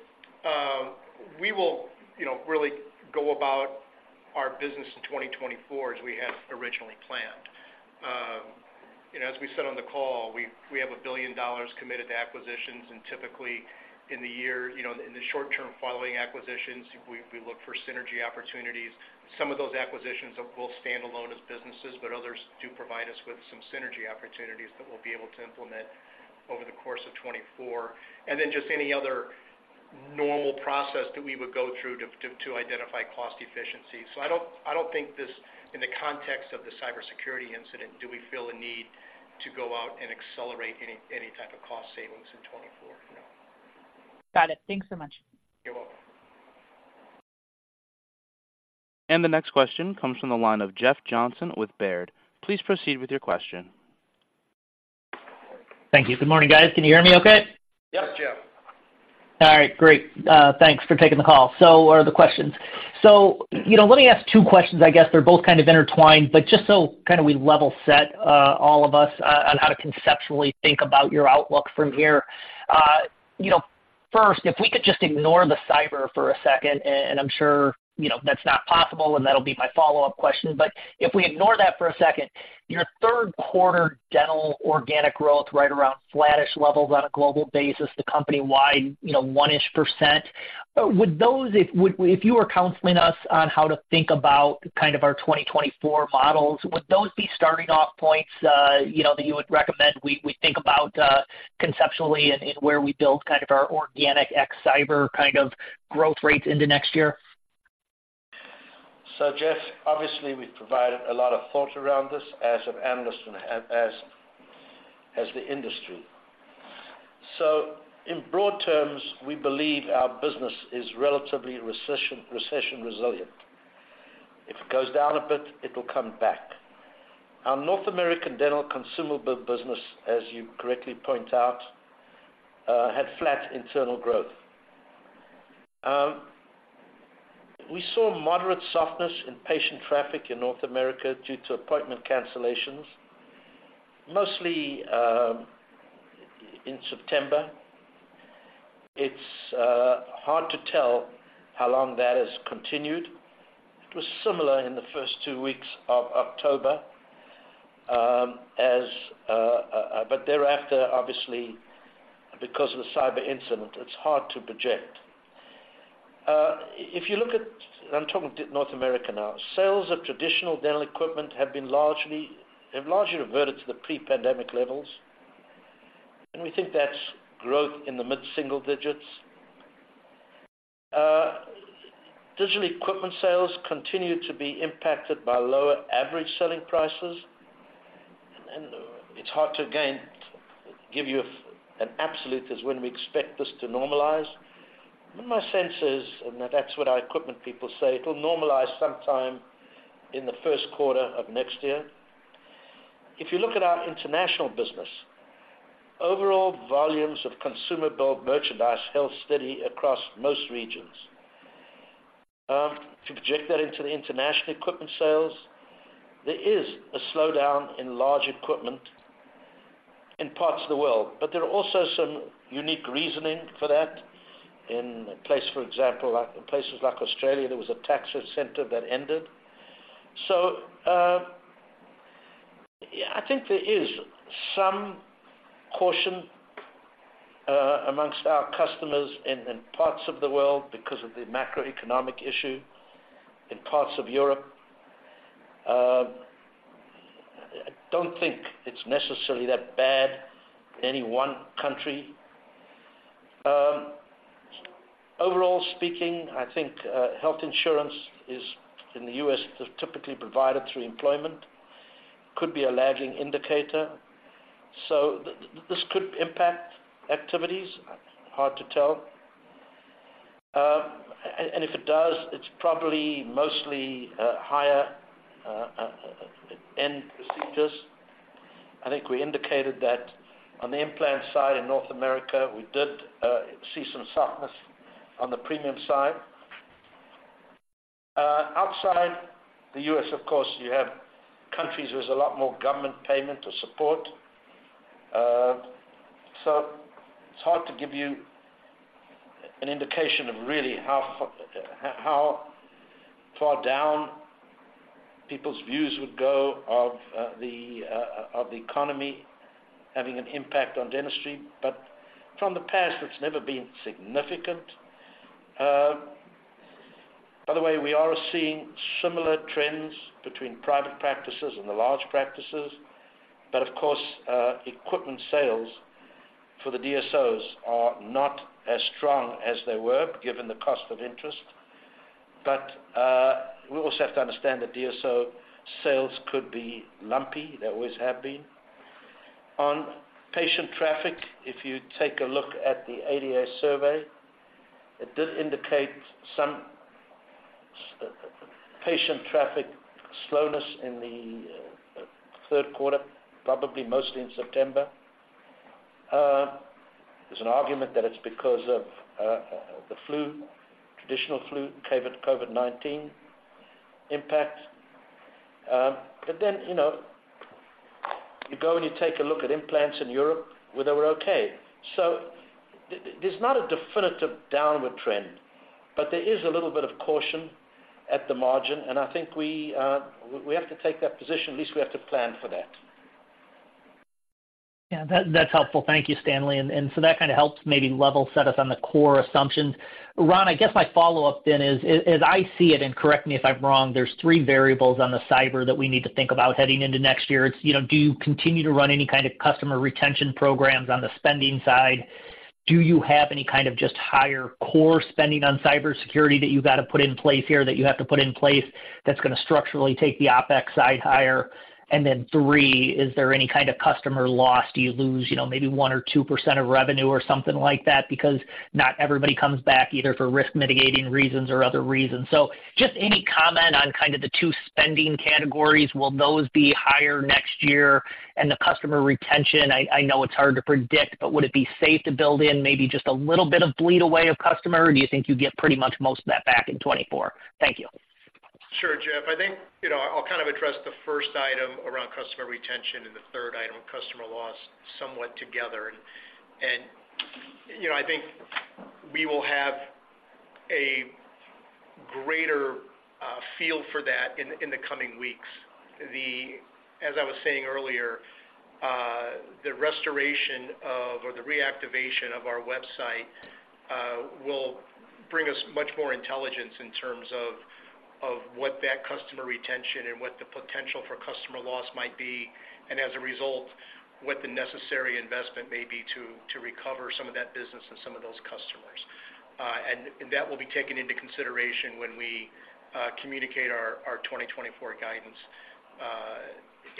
we will, you know, really go about our business in 2024 as we have originally planned. You know, as we said on the call, we, we have $1 billion committed to acquisitions, and typically in the year, you know, in the short term, following acquisitions, we, we look for synergy opportunities. Some of those acquisitions are both standalone as businesses, but others do provide us with some synergy opportunities that we'll be able to implement over the course of 2024, and then just any other normal process that we would go through to, to, to identify cost efficiency. So I don't, I don't think this, in the context of the cybersecurity incident, do we feel a need to go out and accelerate any, any type of cost savings in 2024? No. Got it. Thanks so much. You're welcome. The next question comes from the line of Jeff Johnson with Baird. Please proceed with your question. Thank you. Good morning, guys. Can you hear me okay? Yes, Jeff. All right, great. Thanks for taking the call. So are the questions. So, you know, let me ask two questions. I guess they're both kind of intertwined, but just so kind of we level set, all of us, on how to conceptually think about your outlook from here. You know, first, if we could just ignore the cyber for a second, and, and I'm sure, you know, that's not possible, and that'll be my follow-up question. But if we ignore that for a second, your third quarter dental organic growth, right around flattish levels on a global basis, the company-wide, you know, 1%-ish. Would those, if you were counseling us on how to think about kind of our 2024 models, would those be starting off points, you know, that you would recommend we think about conceptually and where we build kind of our organic ex cyber kind of growth rates into next year? So, Jeff, obviously, we've provided a lot of thought around this as have analysts and as the industry. So in broad terms, we believe our business is relatively recession resilient. If it goes down a bit, it'll come back. Our North American dental consumable business, as you correctly point out, had flat internal growth. We saw moderate softness in patient traffic in North America due to appointment cancellations, mostly in September. It's hard to tell how long that has continued. It was similar in the first two weeks of October, as but thereafter, obviously, because of the cyber incident, it's hard to project. If you look at, I'm talking North America now, sales of traditional dental equipment have largely reverted to the pre-pandemic levels, and we think that's growth in the mid-single digits. Digital equipment sales continue to be impacted by lower average selling prices, and it's hard to, again, give you an absolute, as when we expect this to normalize. But my sense is, and that's what our equipment people say, it'll normalize sometime in the first quarter of next year. If you look at our international business, overall volumes of consumable merchandise held steady across most regions. To project that into the international equipment sales, there is a slowdown in large equipment in parts of the world, but there are also some unique reasoning for that. In a place, for example, like, in places like Australia, there was a tax incentive that ended. So, I think there is some caution amongst our customers in, in parts of the world because of the macroeconomic issue in parts of Europe. I don't think it's necessarily that bad in any one country. Overall speaking, I think health insurance is, in the U.S., is typically provided through employment. It could be a lagging indicator. So this could impact activities, hard to tell. And if it does, it's probably mostly higher end procedures. I think we indicated that on the implant side in North America, we did see some softness on the premium side. Outside the U.S., of course, you have countries with a lot more government payment or support. So it's hard to give you an indication of really how far down people's views would go of the economy having an impact on dentistry. But from the past, it's never been significant. By the way, we are seeing similar trends between private practices and the large practices, but of course, equipment sales for the DSOs are not as strong as they were, given the cost of interest. But we also have to understand that DSO sales could be lumpy. They always have been. On patient traffic, if you take a look at the ADA survey, it did indicate some patient traffic slowness in the third quarter, probably mostly in September. There's an argument that it's because of the flu, traditional flu, COVID, COVID-19 impact. But then, you know, you go and you take a look at implants in Europe, where they were okay. So there's not a definitive downward trend, but there is a little bit of caution at the margin, and I think we, we, we have to take that position. At least we have to plan for that. Yeah, that, that's helpful. Thank you, Stanley. And, and so that kind of helps maybe level set us on the core assumptions. Ron, I guess my follow-up then is, as, as I see it, and correct me if I'm wrong, there's three variables on the cyber that we need to think about heading into next year. It's, you know, do you continue to run any kind of customer retention programs on the spending side? Do you have any kind of just higher core spending on cybersecurity that you got to put in place here, that you have to put in place, that's gonna structurally take the OpEx side higher? And then three, is there any kind of customer loss? Do you lose, you know, maybe 1% or 2% of revenue or something like that? Because not everybody comes back, either for risk mitigating reasons or other reasons. Just any comment on kind of the two spending categories, will those be higher next year? And the customer retention, I, I know it's hard to predict, but would it be safe to build in maybe just a little bit of bleed away of customer, or do you think you get pretty much most of that back in 2024? Thank you. Sure, Jeff. I think, you know, I'll kind of address the first item around customer retention and the third item, customer loss, somewhat together. You know, I think we will have a greater feel for that in the coming weeks. As I was saying earlier, the restoration of, or the reactivation of our website, will bring us much more intelligence in terms of what that customer retention and what the potential for customer loss might be, and as a result, what the necessary investment may be to recover some of that business and some of those customers. That will be taken into consideration when we communicate our 2024 guidance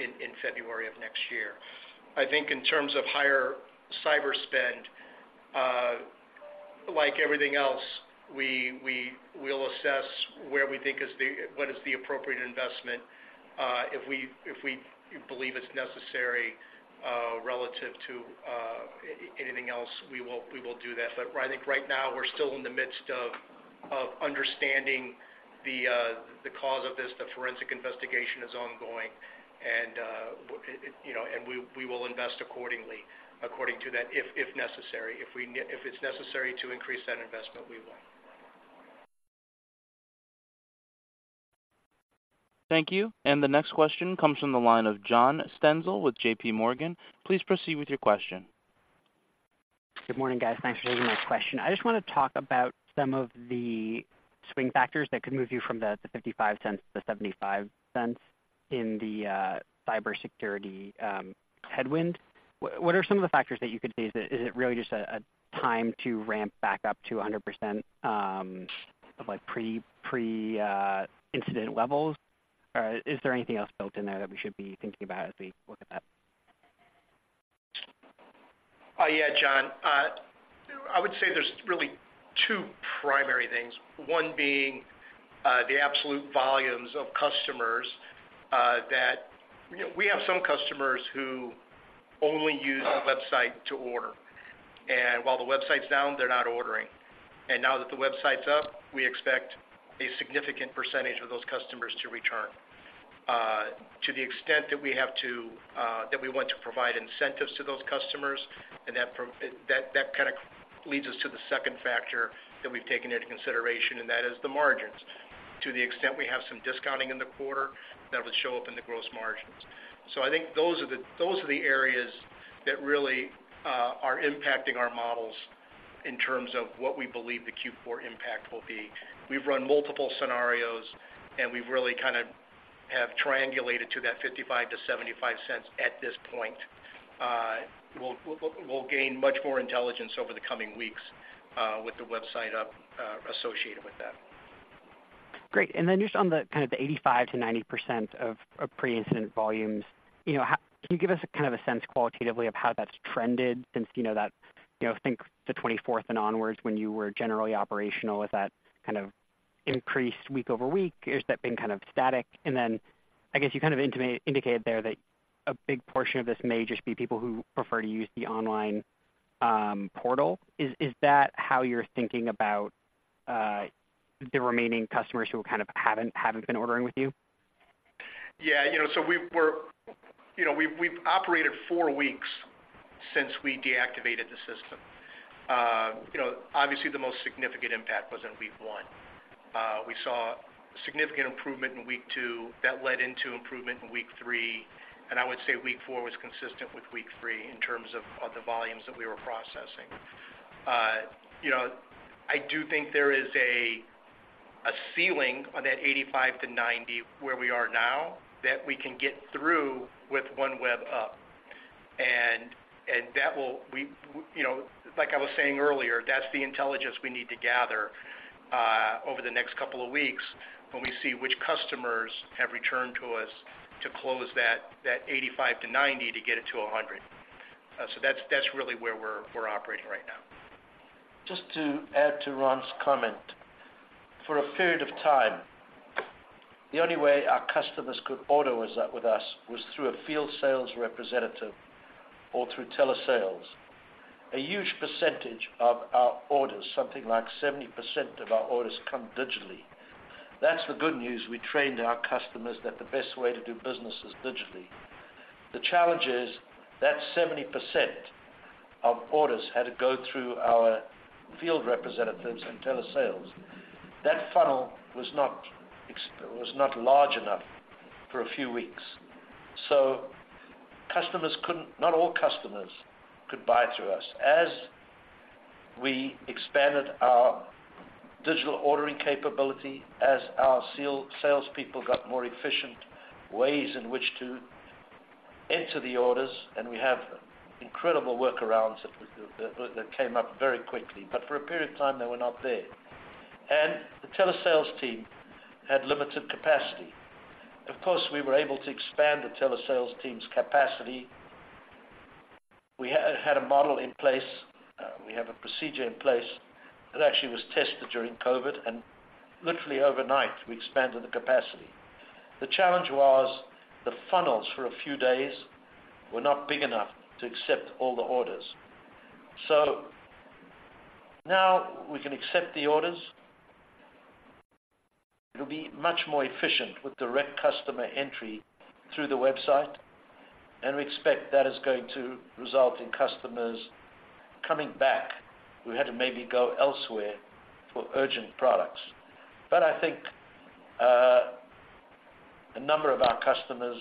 in February of next year. I think in terms of higher cyber spend, like everything else, we'll assess where we think what is the appropriate investment. If we believe it's necessary, relative to anything else, we will do that. But I think right now, we're still in the midst of understanding the cause of this. The forensic investigation is ongoing, and you know, and we will invest accordingly, according to that, if necessary. If it's necessary to increase that investment, we will. Thank you. The next question comes from the line of John Stenzel with JPMorgan. Please proceed with your question. Good morning, guys. Thanks for taking my question. I just wanna talk about some of the swing factors that could move you from the $0.55-$0.75 in the cybersecurity headwind. What are some of the factors that you could see? Is it really just a time to ramp back up to 100% of like pre-incident levels? Or is there anything else built in there that we should be thinking about as we look at that? Yeah, John. I would say there's really two primary things, one being the absolute volumes of customers that. You know, we have some customers who only use the website to order, and while the website's down, they're not ordering. And now that the website's up, we expect a significant percentage of those customers to return. To the extent that we want to provide incentives to those customers, and that kind leads us to the second factor that we've taken into consideration, and that is the margins. To the extent we have some discounting in the quarter, that would show up in the gross margins. So I think those are the areas that really are impacting our models in terms of what we believe the Q4 impact will be. We've run multiple scenarios, and we've really kind of have triangulated to that $0.55-$0.75 at this point. We'll gain much more intelligence over the coming weeks with the website up, associated with that. Great. And then just on the kind of the 85%-90% of pre-incident volumes, you know, how can you give us kind of a sense qualitatively of how that's trended since, you know, that, you know, I think the 24th and onwards when you were generally operational? Has that kind of increased week over week? Or has that been kind of static? And then, I guess you kind of indicated there that a big portion of this may just be people who prefer to use the online portal. Is that how you're thinking about the remaining customers who kind of haven't been ordering with you? Yeah, you know, so we've operated four weeks since we deactivated the system. You know, obviously, the most significant impact was in week 1. We saw significant improvement in week 2. That led into improvement in week 3, and I would say week 4 was consistent with week 3 in terms of the volumes that we were processing. You know, I do think there is a ceiling on that %85-%90, where we are now, that we can get through with OneWeb up. And that will... We, you know, like I was saying earlier, that's the intelligence we need to gather over the next couple of weeks, when we see which customers have returned to us to close that %85-%90 to get it to %100.So that's really where we're operating right now. Just to add to Ron's comment. For a period of time, the only way our customers could order was up with us, was through a field sales representative or through Telesales. A huge percentage of our orders, something like 70% of our orders, come digitally. That's the good news. We trained our customers that the best way to do business is digitally. The challenge is, that 70% of orders had to go through our field representatives and Telesales. That funnel was not large enough for a few weeks, so not all customers could buy through us. As we expanded our digital ordering capability, as our salespeople got more efficient ways in which to enter the orders, and we have incredible workarounds that we came up very quickly, but for a period of time, they were not there. The Telesales team had limited capacity. Of course, we were able to expand the Telesales team's capacity. We had a model in place. We have a procedure in place that actually was tested during COVID, and literally overnight, we expanded the capacity. The challenge was, the funnels for a few days were not big enough to accept all the orders. Now we can accept the orders. It'll be much more efficient with direct customer entry through the website, and we expect that is going to result in customers coming back, who had to maybe go elsewhere for urgent products. But I think, a number of our customers,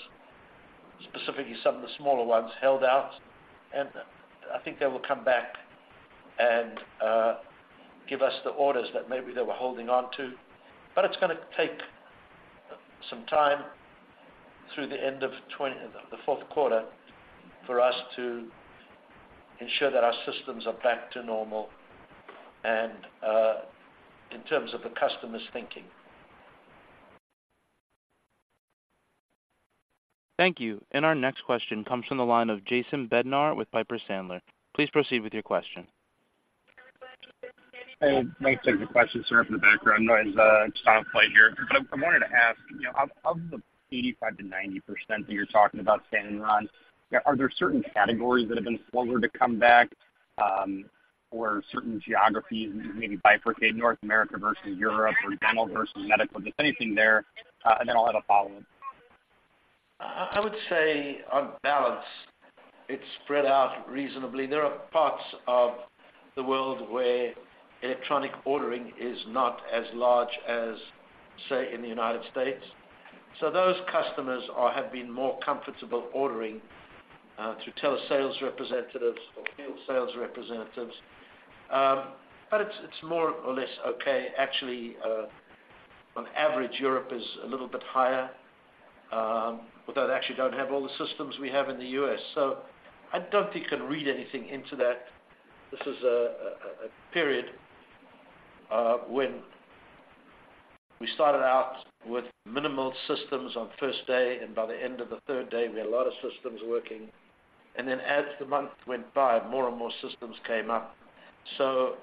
specifically some of the smaller ones, held out, and I think they will come back and give us the orders that maybe they were holding on to, but it's gonna take some time through the end of twenty... The fourth quarter, for us to ensure that our systems are back to normal and, in terms of the customer's thinking. Thank you. And our next question comes from the line of Jason Bednar with Piper Sandler. Please proceed with your question. Hey, thanks for the question, sir. If the background noise, it's fine here. But I'm wanting to ask, you know, of, of the 85%-90% that you're talking about, Stan and Ron, are there certain categories that have been slower to come back, or certain geographies, maybe bifurcating North America versus Europe or dental versus medical? If there's anything there, and then I'll have a follow-up. I would say on balance, it's spread out reasonably. There are parts of the world where electronic ordering is not as large as, say, in the United States. So those customers have been more comfortable ordering through Telesales representatives or field sales representatives. But it's more or less okay. Actually, on average, Europe is a little bit higher, but they actually don't have all the systems we have in the U.S. So I don't think you can read anything into that. This is a period when we started out with minimal systems on first day, and by the end of the third day, we had a lot of systems working. And then as the month went by, more and more systems came up. So,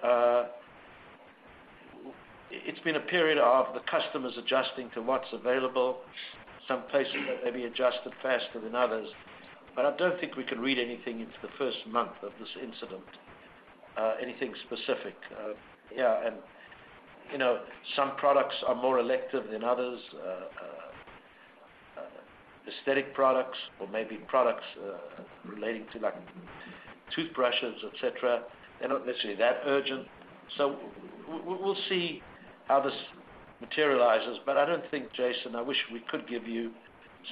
it's been a period of the customers adjusting to what's available. Some places may be adjusted faster than others, but I don't think we can read anything into the first month of this incident, anything specific. Yeah, and, you know, some products are more elective than others. Aesthetic products or maybe products relating to, like, toothbrushes, et cetera. They're not necessarily that urgent. So we'll see how this materializes, but I don't think, Jason, I wish we could give you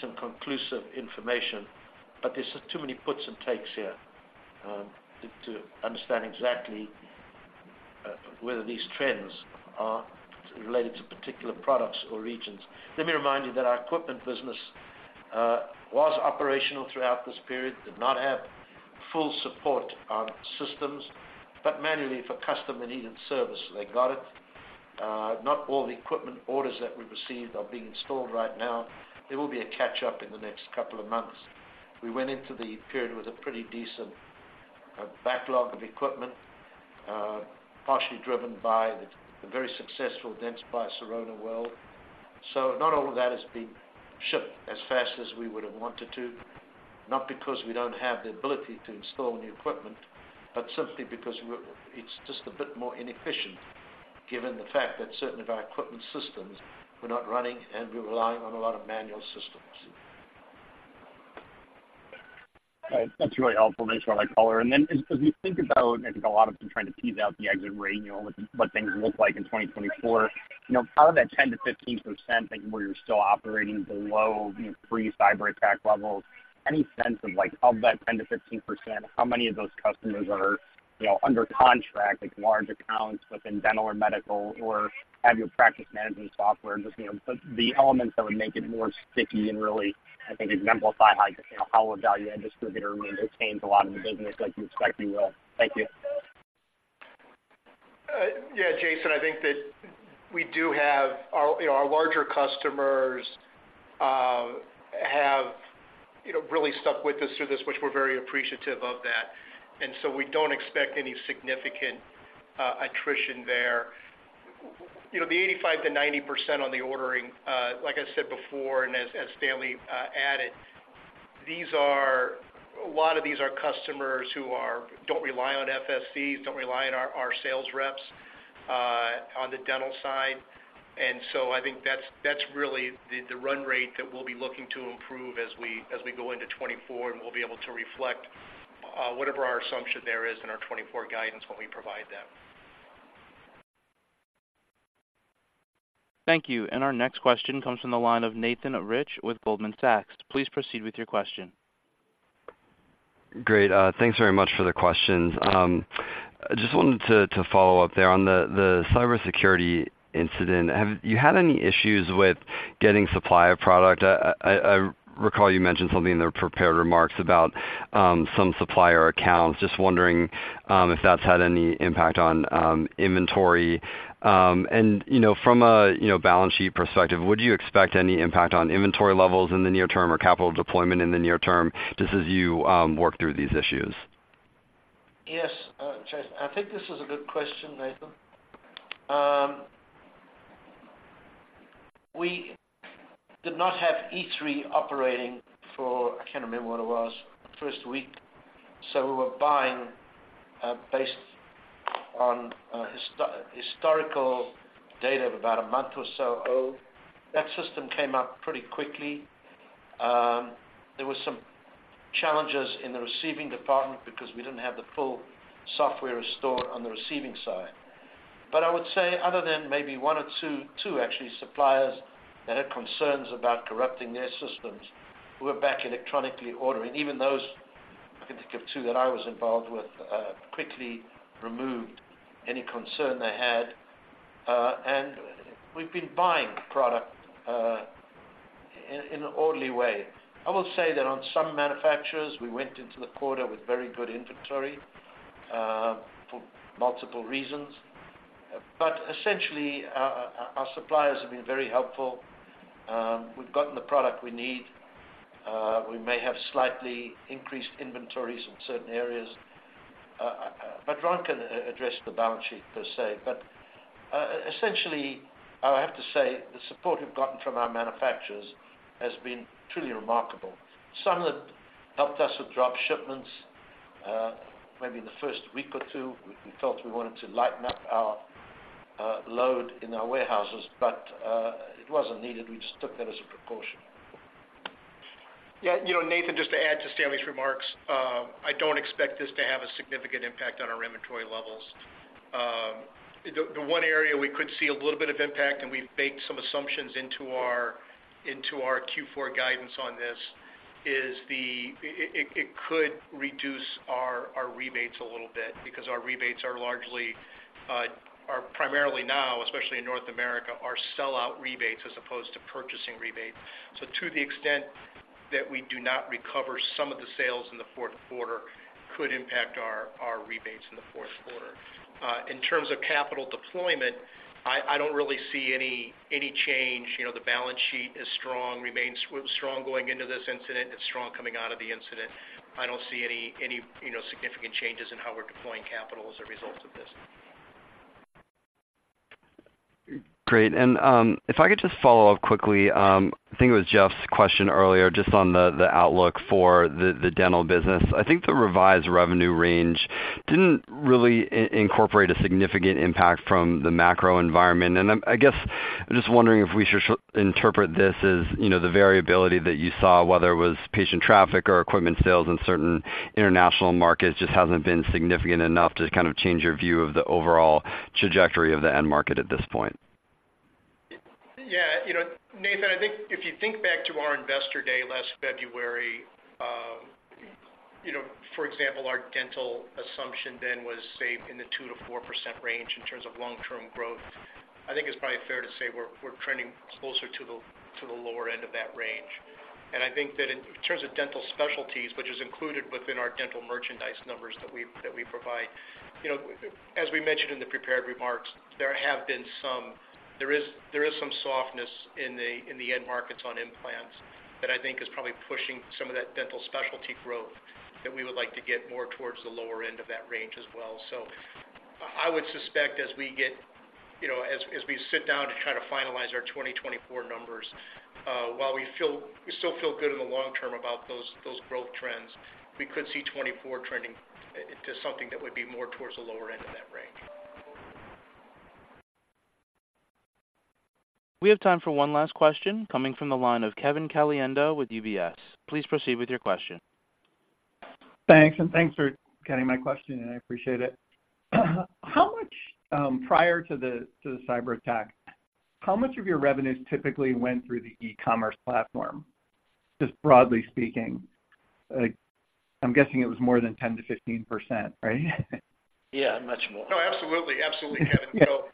some conclusive information, but there's too many puts and takes here, to understand exactly, whether these trends are related to particular products or regions. Let me remind you that our equipment business was operational throughout this period, did not have full support on systems, but manually if a customer needed service, they got it. Not all the equipment orders that we received are being installed right now. There will be a catch-up in the next couple of months. We went into the period with a pretty decent backlog of equipment, partially driven by the very successful DS World. So not all of that has been shipped as fast as we would have wanted to, not because we don't have the ability to install new equipment, but simply because it's just a bit more inefficient given the fact that certain of our equipment systems were not running, and we're relying on a lot of manual systems. All right. That's really helpful. Thanks for that color. And then as you think about, I think, a lot of them trying to tease out the exit rate, you know, what things look like in 2024, you know, part of that 10%-15%, I think, where you're still operating below, you know, pre-cyberattack levels, any sense of like, of that 10%-15%, how many of those customers are, you know, under contract, like large accounts within dental or medical, or have your Practice Management Software? Just, you know, the elements that would make it more sticky and really, I think, exemplify how, you know, how a value-added distributor retains a lot of the business like you expect you will. Thank you. Yeah, Jason, I think that we do have our, you know, our larger customers, you know, really stuck with us through this, which we're very appreciative of that, and so we don't expect any significant attrition there. You know, the 85%-90% on the ordering, like I said before, and as Stanley added, these are a lot of these customers who don't rely on FSCs, don't rely on our sales reps on the dental side. And so I think that's really the run rate that we'll be looking to improve as we go into 2024, and we'll be able to reflect whatever our assumption there is in our 2024 guidance when we provide that. Thank you. Our next question comes from the line of Nathan Rich with Goldman Sachs. Please proceed with your question. Great, thanks very much for the questions. I just wanted to follow up there. On the cybersecurity incident, have you had any issues with getting supply of product? I recall you mentioned something in the prepared remarks about some supplier accounts. Just wondering if that's had any impact on inventory. And, you know, from a, you know, balance sheet perspective, would you expect any impact on inventory levels in the near term or capital deployment in the near term, just as you work through these issues? Yes, Jason. I think this is a good question, Nathan. We did not have E3 operating for, I can't remember what it was, first week, so we were buying based on historical data about a month or so old. That system came up pretty quickly. There were some challenges in the receiving department because we didn't have the full software restored on the receiving side. But I would say other than maybe one or two, two actually, suppliers that had concerns about corrupting their systems, we're back electronically ordering. Even those, I can think of two that I was involved with, quickly removed any concern they had. And we've been buying product in an orderly way. I will say that on some manufacturers, we went into the quarter with very good inventory for multiple reasons. But essentially, our suppliers have been very helpful. We've gotten the product we need. We may have slightly increased inventories in certain areas, but Ron can address the balance sheet per se. But essentially, I have to say, the support we've gotten from our manufacturers has been truly remarkable. Some that helped us with drop shipments, maybe in the first week or two, we thought we wanted to lighten up our load in our warehouses, but it wasn't needed. We just took that as a precaution. Yeah, you know, Nathan, just to add to Stanley's remarks, I don't expect this to have a significant impact on our inventory levels. The one area we could see a little bit of impact, and we've baked some assumptions into our Q4 guidance on this, is. It could reduce our rebates a little bit because our rebates are largely, are primarily now, especially in North America, are sellout rebates as opposed to purchasing rebates. So to the extent that we do not recover some of the sales in the fourth quarter, could impact our rebates in the fourth quarter. In terms of capital deployment, I don't really see any change. You know, the balance sheet is strong, remains strong going into this incident, it's strong coming out of the incident. I don't see any, you know, significant changes in how we're deploying capital as a result of this. Great. If I could just follow up quickly. I think it was Jeff's question earlier, just on the outlook for the dental business. I think the revised revenue range didn't really incorporate a significant impact from the macro environment. I guess I'm just wondering if we should interpret this as, you know, the variability that you saw, whether it was patient traffic or equipment sales in certain international markets, just hasn't been significant enough to kind of change your view of the overall trajectory of the end market at this point? Yeah, you know, Nathan, I think if you think back to our Investor Day last February, you know, for example, our dental assumption then was, say, in the 2%-4% range in terms of long-term growth. I think it's probably fair to say we're trending closer to the lower end of that range. And I think that in terms of dental specialties, which is included within our dental merchandise numbers that we provide, you know, as we mentioned in the prepared remarks, there is some softness in the end markets on implants that I think is probably pushing some of that dental specialty growth that we would like to get more towards the lower end of that range as well. So I would suspect, as we get you know, as we sit down to try to finalize our 2024 numbers, while we still feel good in the long term about those growth trends, we could see 2024 trending to something that would be more towards the lower end of that range. We have time for one last question, coming from the line of Kevin Caliendo with UBS. Please proceed with your question. Thanks, and thanks for getting my question, and I appreciate it. How much, prior to the, to the cyberattack, how much of your revenues typically went through the e-commerce platform? Just broadly speaking. Like, I'm guessing it was more than 10%-15%, right? Yeah, much more. No, absolutely. Absolutely, Kevin. You know,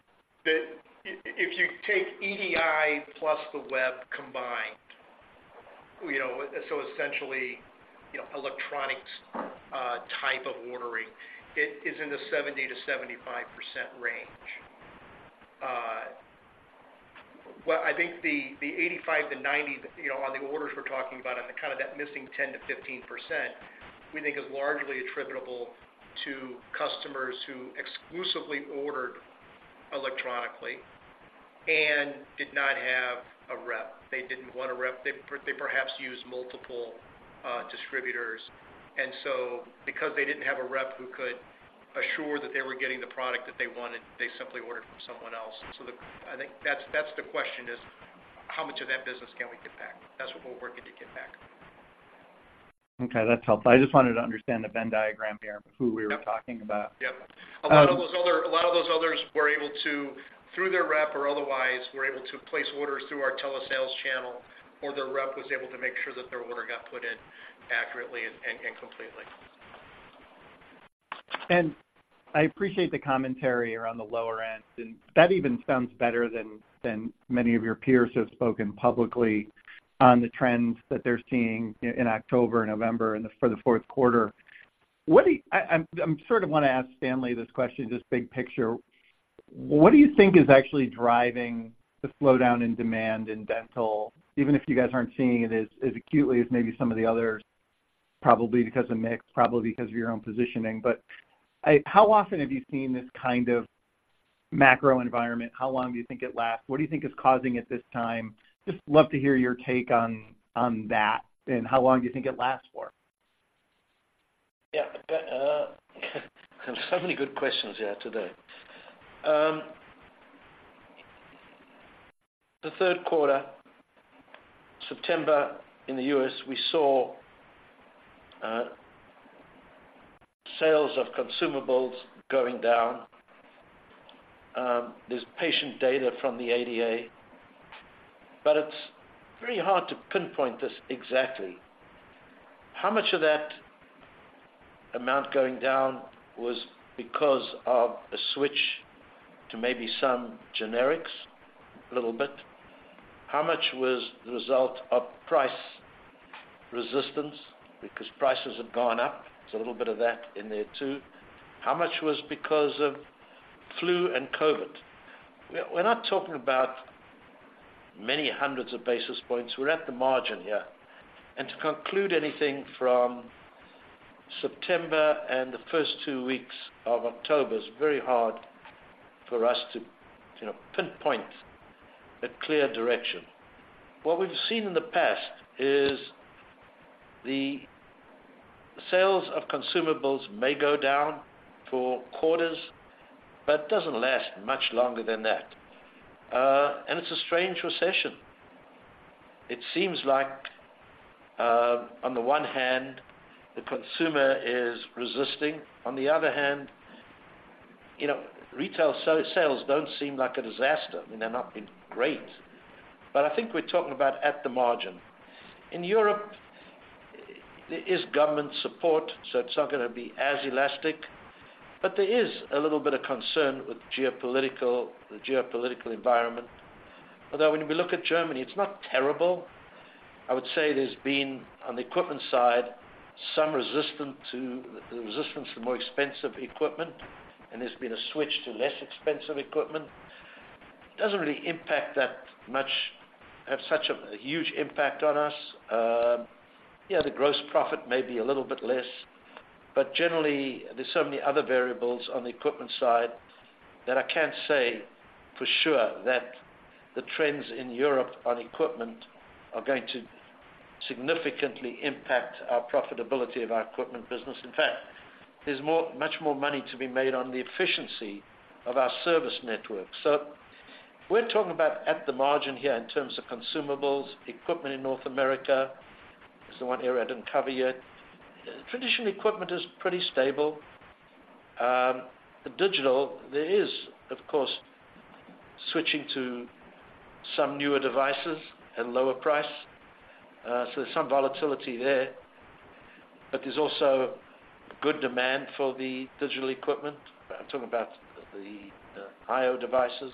if you take EDI plus the web combined, you know, so essentially, you know, electronics type of ordering, it is in the 70%-75% range. Well, I think the 85%-90%, you know, on the orders we're talking about, on the kind of that missing 10%-15%, we think is largely attributable to customers who exclusively ordered electronically and did not have a rep. They didn't want a rep. They perhaps used multiple distributors, and so because they didn't have a rep who could assure that they were getting the product that they wanted, they simply ordered from someone else. So I think that's the question, is how much of that business can we get back? That's what we're working to get back. Okay, that's helpful. I just wanted to understand the Venn diagram here, who we were talking about. Yep. A lot of those other, a lot of those others were able to, through their rep or otherwise, were able to place orders through our Telesales channel, or their rep was able to make sure that their order got put in accurately and, and completely. I appreciate the commentary around the lower end, and that even sounds better than many of your peers have spoken publicly on the trends that they're seeing in October and November and the for the fourth quarter. What do you... I sort of want to ask Stanley this question, just big picture. What do you think is actually driving the slowdown in demand in dental, even if you guys aren't seeing it as acutely as maybe some of the others? Probably because of mix, probably because of your own positioning. But I how often have you seen this kind of macro environment? How long do you think it lasts? What do you think is causing it this time? Just love to hear your take on that, and how long do you think it lasts for? Yeah, there are so many good questions here today. The third quarter, September in the U.S., we saw sales of consumables going down. There's patient data from the ADA, but it's very hard to pinpoint this exactly. How much of that amount going down was because of a switch to maybe some generics? A little bit. How much was the result of price resistance because prices have gone up? There's a little bit of that in there, too. How much was because of flu and COVID? We're not talking about many hundreds of basis points. We're at the margin here. And to conclude anything from September and the first two weeks of October is very hard for us to, you know, pinpoint a clear direction. What we've seen in the past is the sales of consumables may go down for quarters, but doesn't last much longer than that. And it's a strange recession. It seems like, on the one hand, the consumer is resisting. On the other hand, you know, retail sales don't seem like a disaster. I mean, they've not been great, but I think we're talking about at the margin. In Europe, there is government support, so it's not gonna be as elastic, but there is a little bit of concern with the geopolitical environment. Although, when we look at Germany, it's not terrible. I would say there's been, on the equipment side, some resistance to more expensive equipment, and there's been a switch to less expensive equipment. It doesn't really have such a huge impact on us. Yeah, the gross profit may be a little bit less, but generally, there's so many other variables on the equipment side, that I can't say for sure that the trends in Europe on equipment are going to significantly impact our profitability of our equipment business. In fact, there's more, much more money to be made on the efficiency of our service network. So we're talking about at the margin here in terms of consumables, equipment in North America, is the one area I didn't cover yet. Traditionally, equipment is pretty stable. The digital, there is, of course, switching to some newer devices at lower price, so there's some volatility there... But there's also good demand for the digital equipment. I'm talking about the IO devices.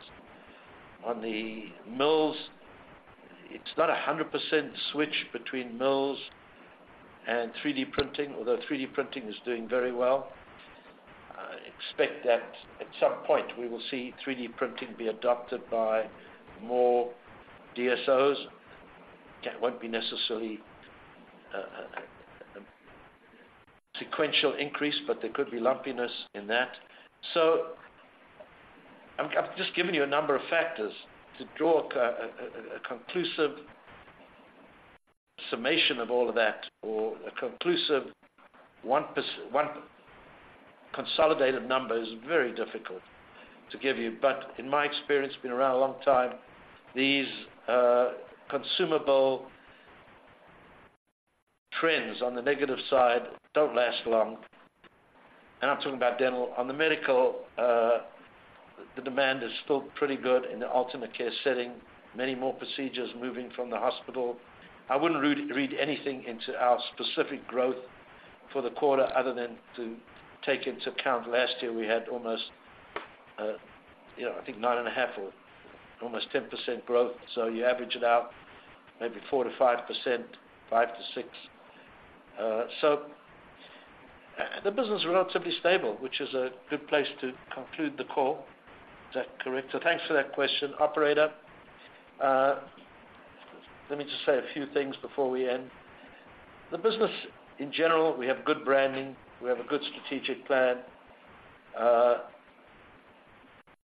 On the mills, it's not a 100% switch between mills and 3D printing, although 3D printing is doing very well. I expect that at some point, we will see 3D printing be adopted by more DSOs. That won't be necessarily a sequential increase, but there could be lumpiness in that. So I've just given you a number of factors. To draw a conclusive summation of all of that, or a conclusive one consolidated number is very difficult to give you. But in my experience, been around a long time, these consumable trends on the negative side don't last long, and I'm talking about dental. On the medical, the demand is still pretty good in the ultimate care setting. Many more procedures moving from the hospital. I wouldn't read anything into our specific growth for the quarter other than to take into account last year, we had almost, you know, I think %9.5 or almost 10% growth. So you average it out, maybe 4%-5%, 5%-%6. So the business is relatively stable, which is a good place to conclude the call. Is that correct? So thanks for that question. Operator, let me just say a few things before we end. The business in general, we have good branding, we have a good strategic plan.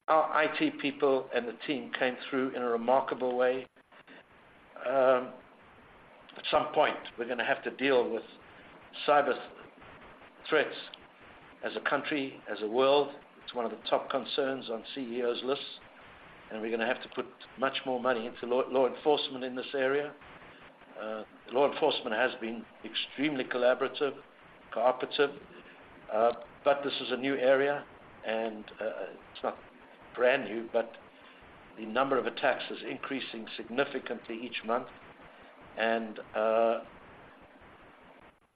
Our IT people and the team came through in a remarkable way. At some point, we're gonna have to deal with cyber threats as a country, as a world. It's one of the top concerns on CEOs' lists, and we're gonna have to put much more money into law enforcement in this area. Law enforcement has been extremely collaborative, cooperative, but this is a new area, and... It's not brand new, but the number of attacks is increasing significantly each month. And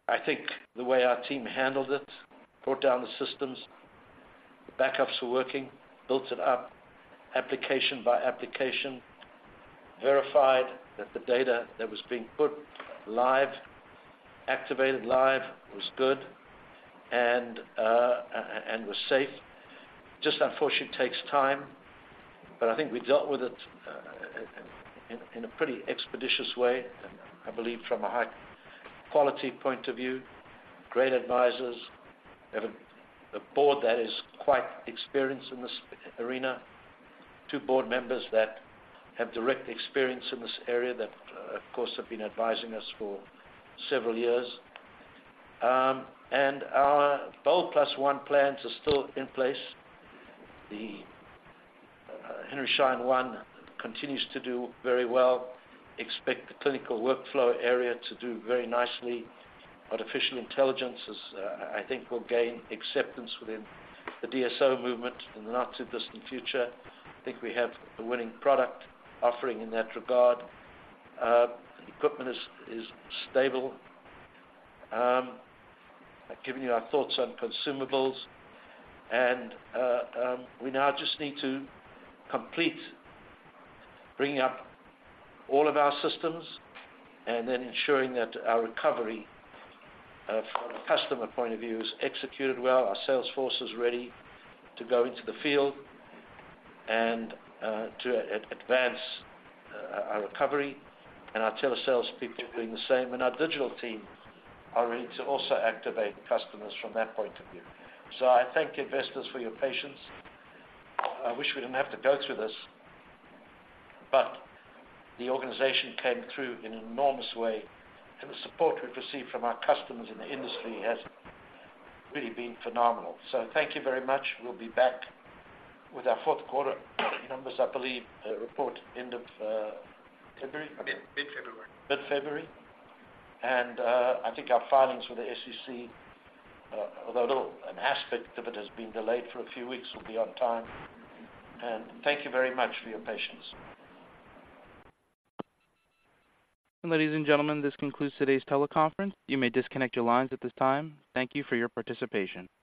I think the way our team handled it, brought down the systems, the backups were working, built it up, application by application, verified that the data that was being put live, activated live, was good, and and was safe. Just unfortunately, takes time, but I think we dealt with it in a pretty expeditious way, and I believe from a high-quality point of view, great advisors. We have a board that is quite experienced in this arena. Two board members that have direct experience in this area, that, of course, have been advising us for several years. And our BOLD+1 plans are still in place. The Henry Schein One continues to do very well. Expect the clinical workflow area to do very nicely. Artificial intelligence is, I think will gain acceptance within the DSO movement in the not-too-distant future. I think we have a winning product offering in that regard. Equipment is stable. I've given you our thoughts on consumables, and we now just need to complete bringing up all of our systems and then ensuring that our recovery, from a customer point of view, is executed well. Our sales force is ready to go into the field and to advance our recovery, and our Telesales people are doing the same, and our digital team are ready to also activate customers from that point of view. So I thank you, investors, for your patience. I wish we didn't have to go through this, but the organization came through in an enormous way, and the support we've received from our customers in the industry has really been phenomenal. So thank you very much. We'll be back with our fourth quarter numbers, I believe, report end of February? Mid-February. Mid-February. I think our filings with the SEC, although a little, an aspect of it has been delayed for a few weeks, will be on time. Thank you very much for your patience. Ladies and gentlemen, this concludes today's teleconference. You may disconnect your lines at this time. Thank you for your participation.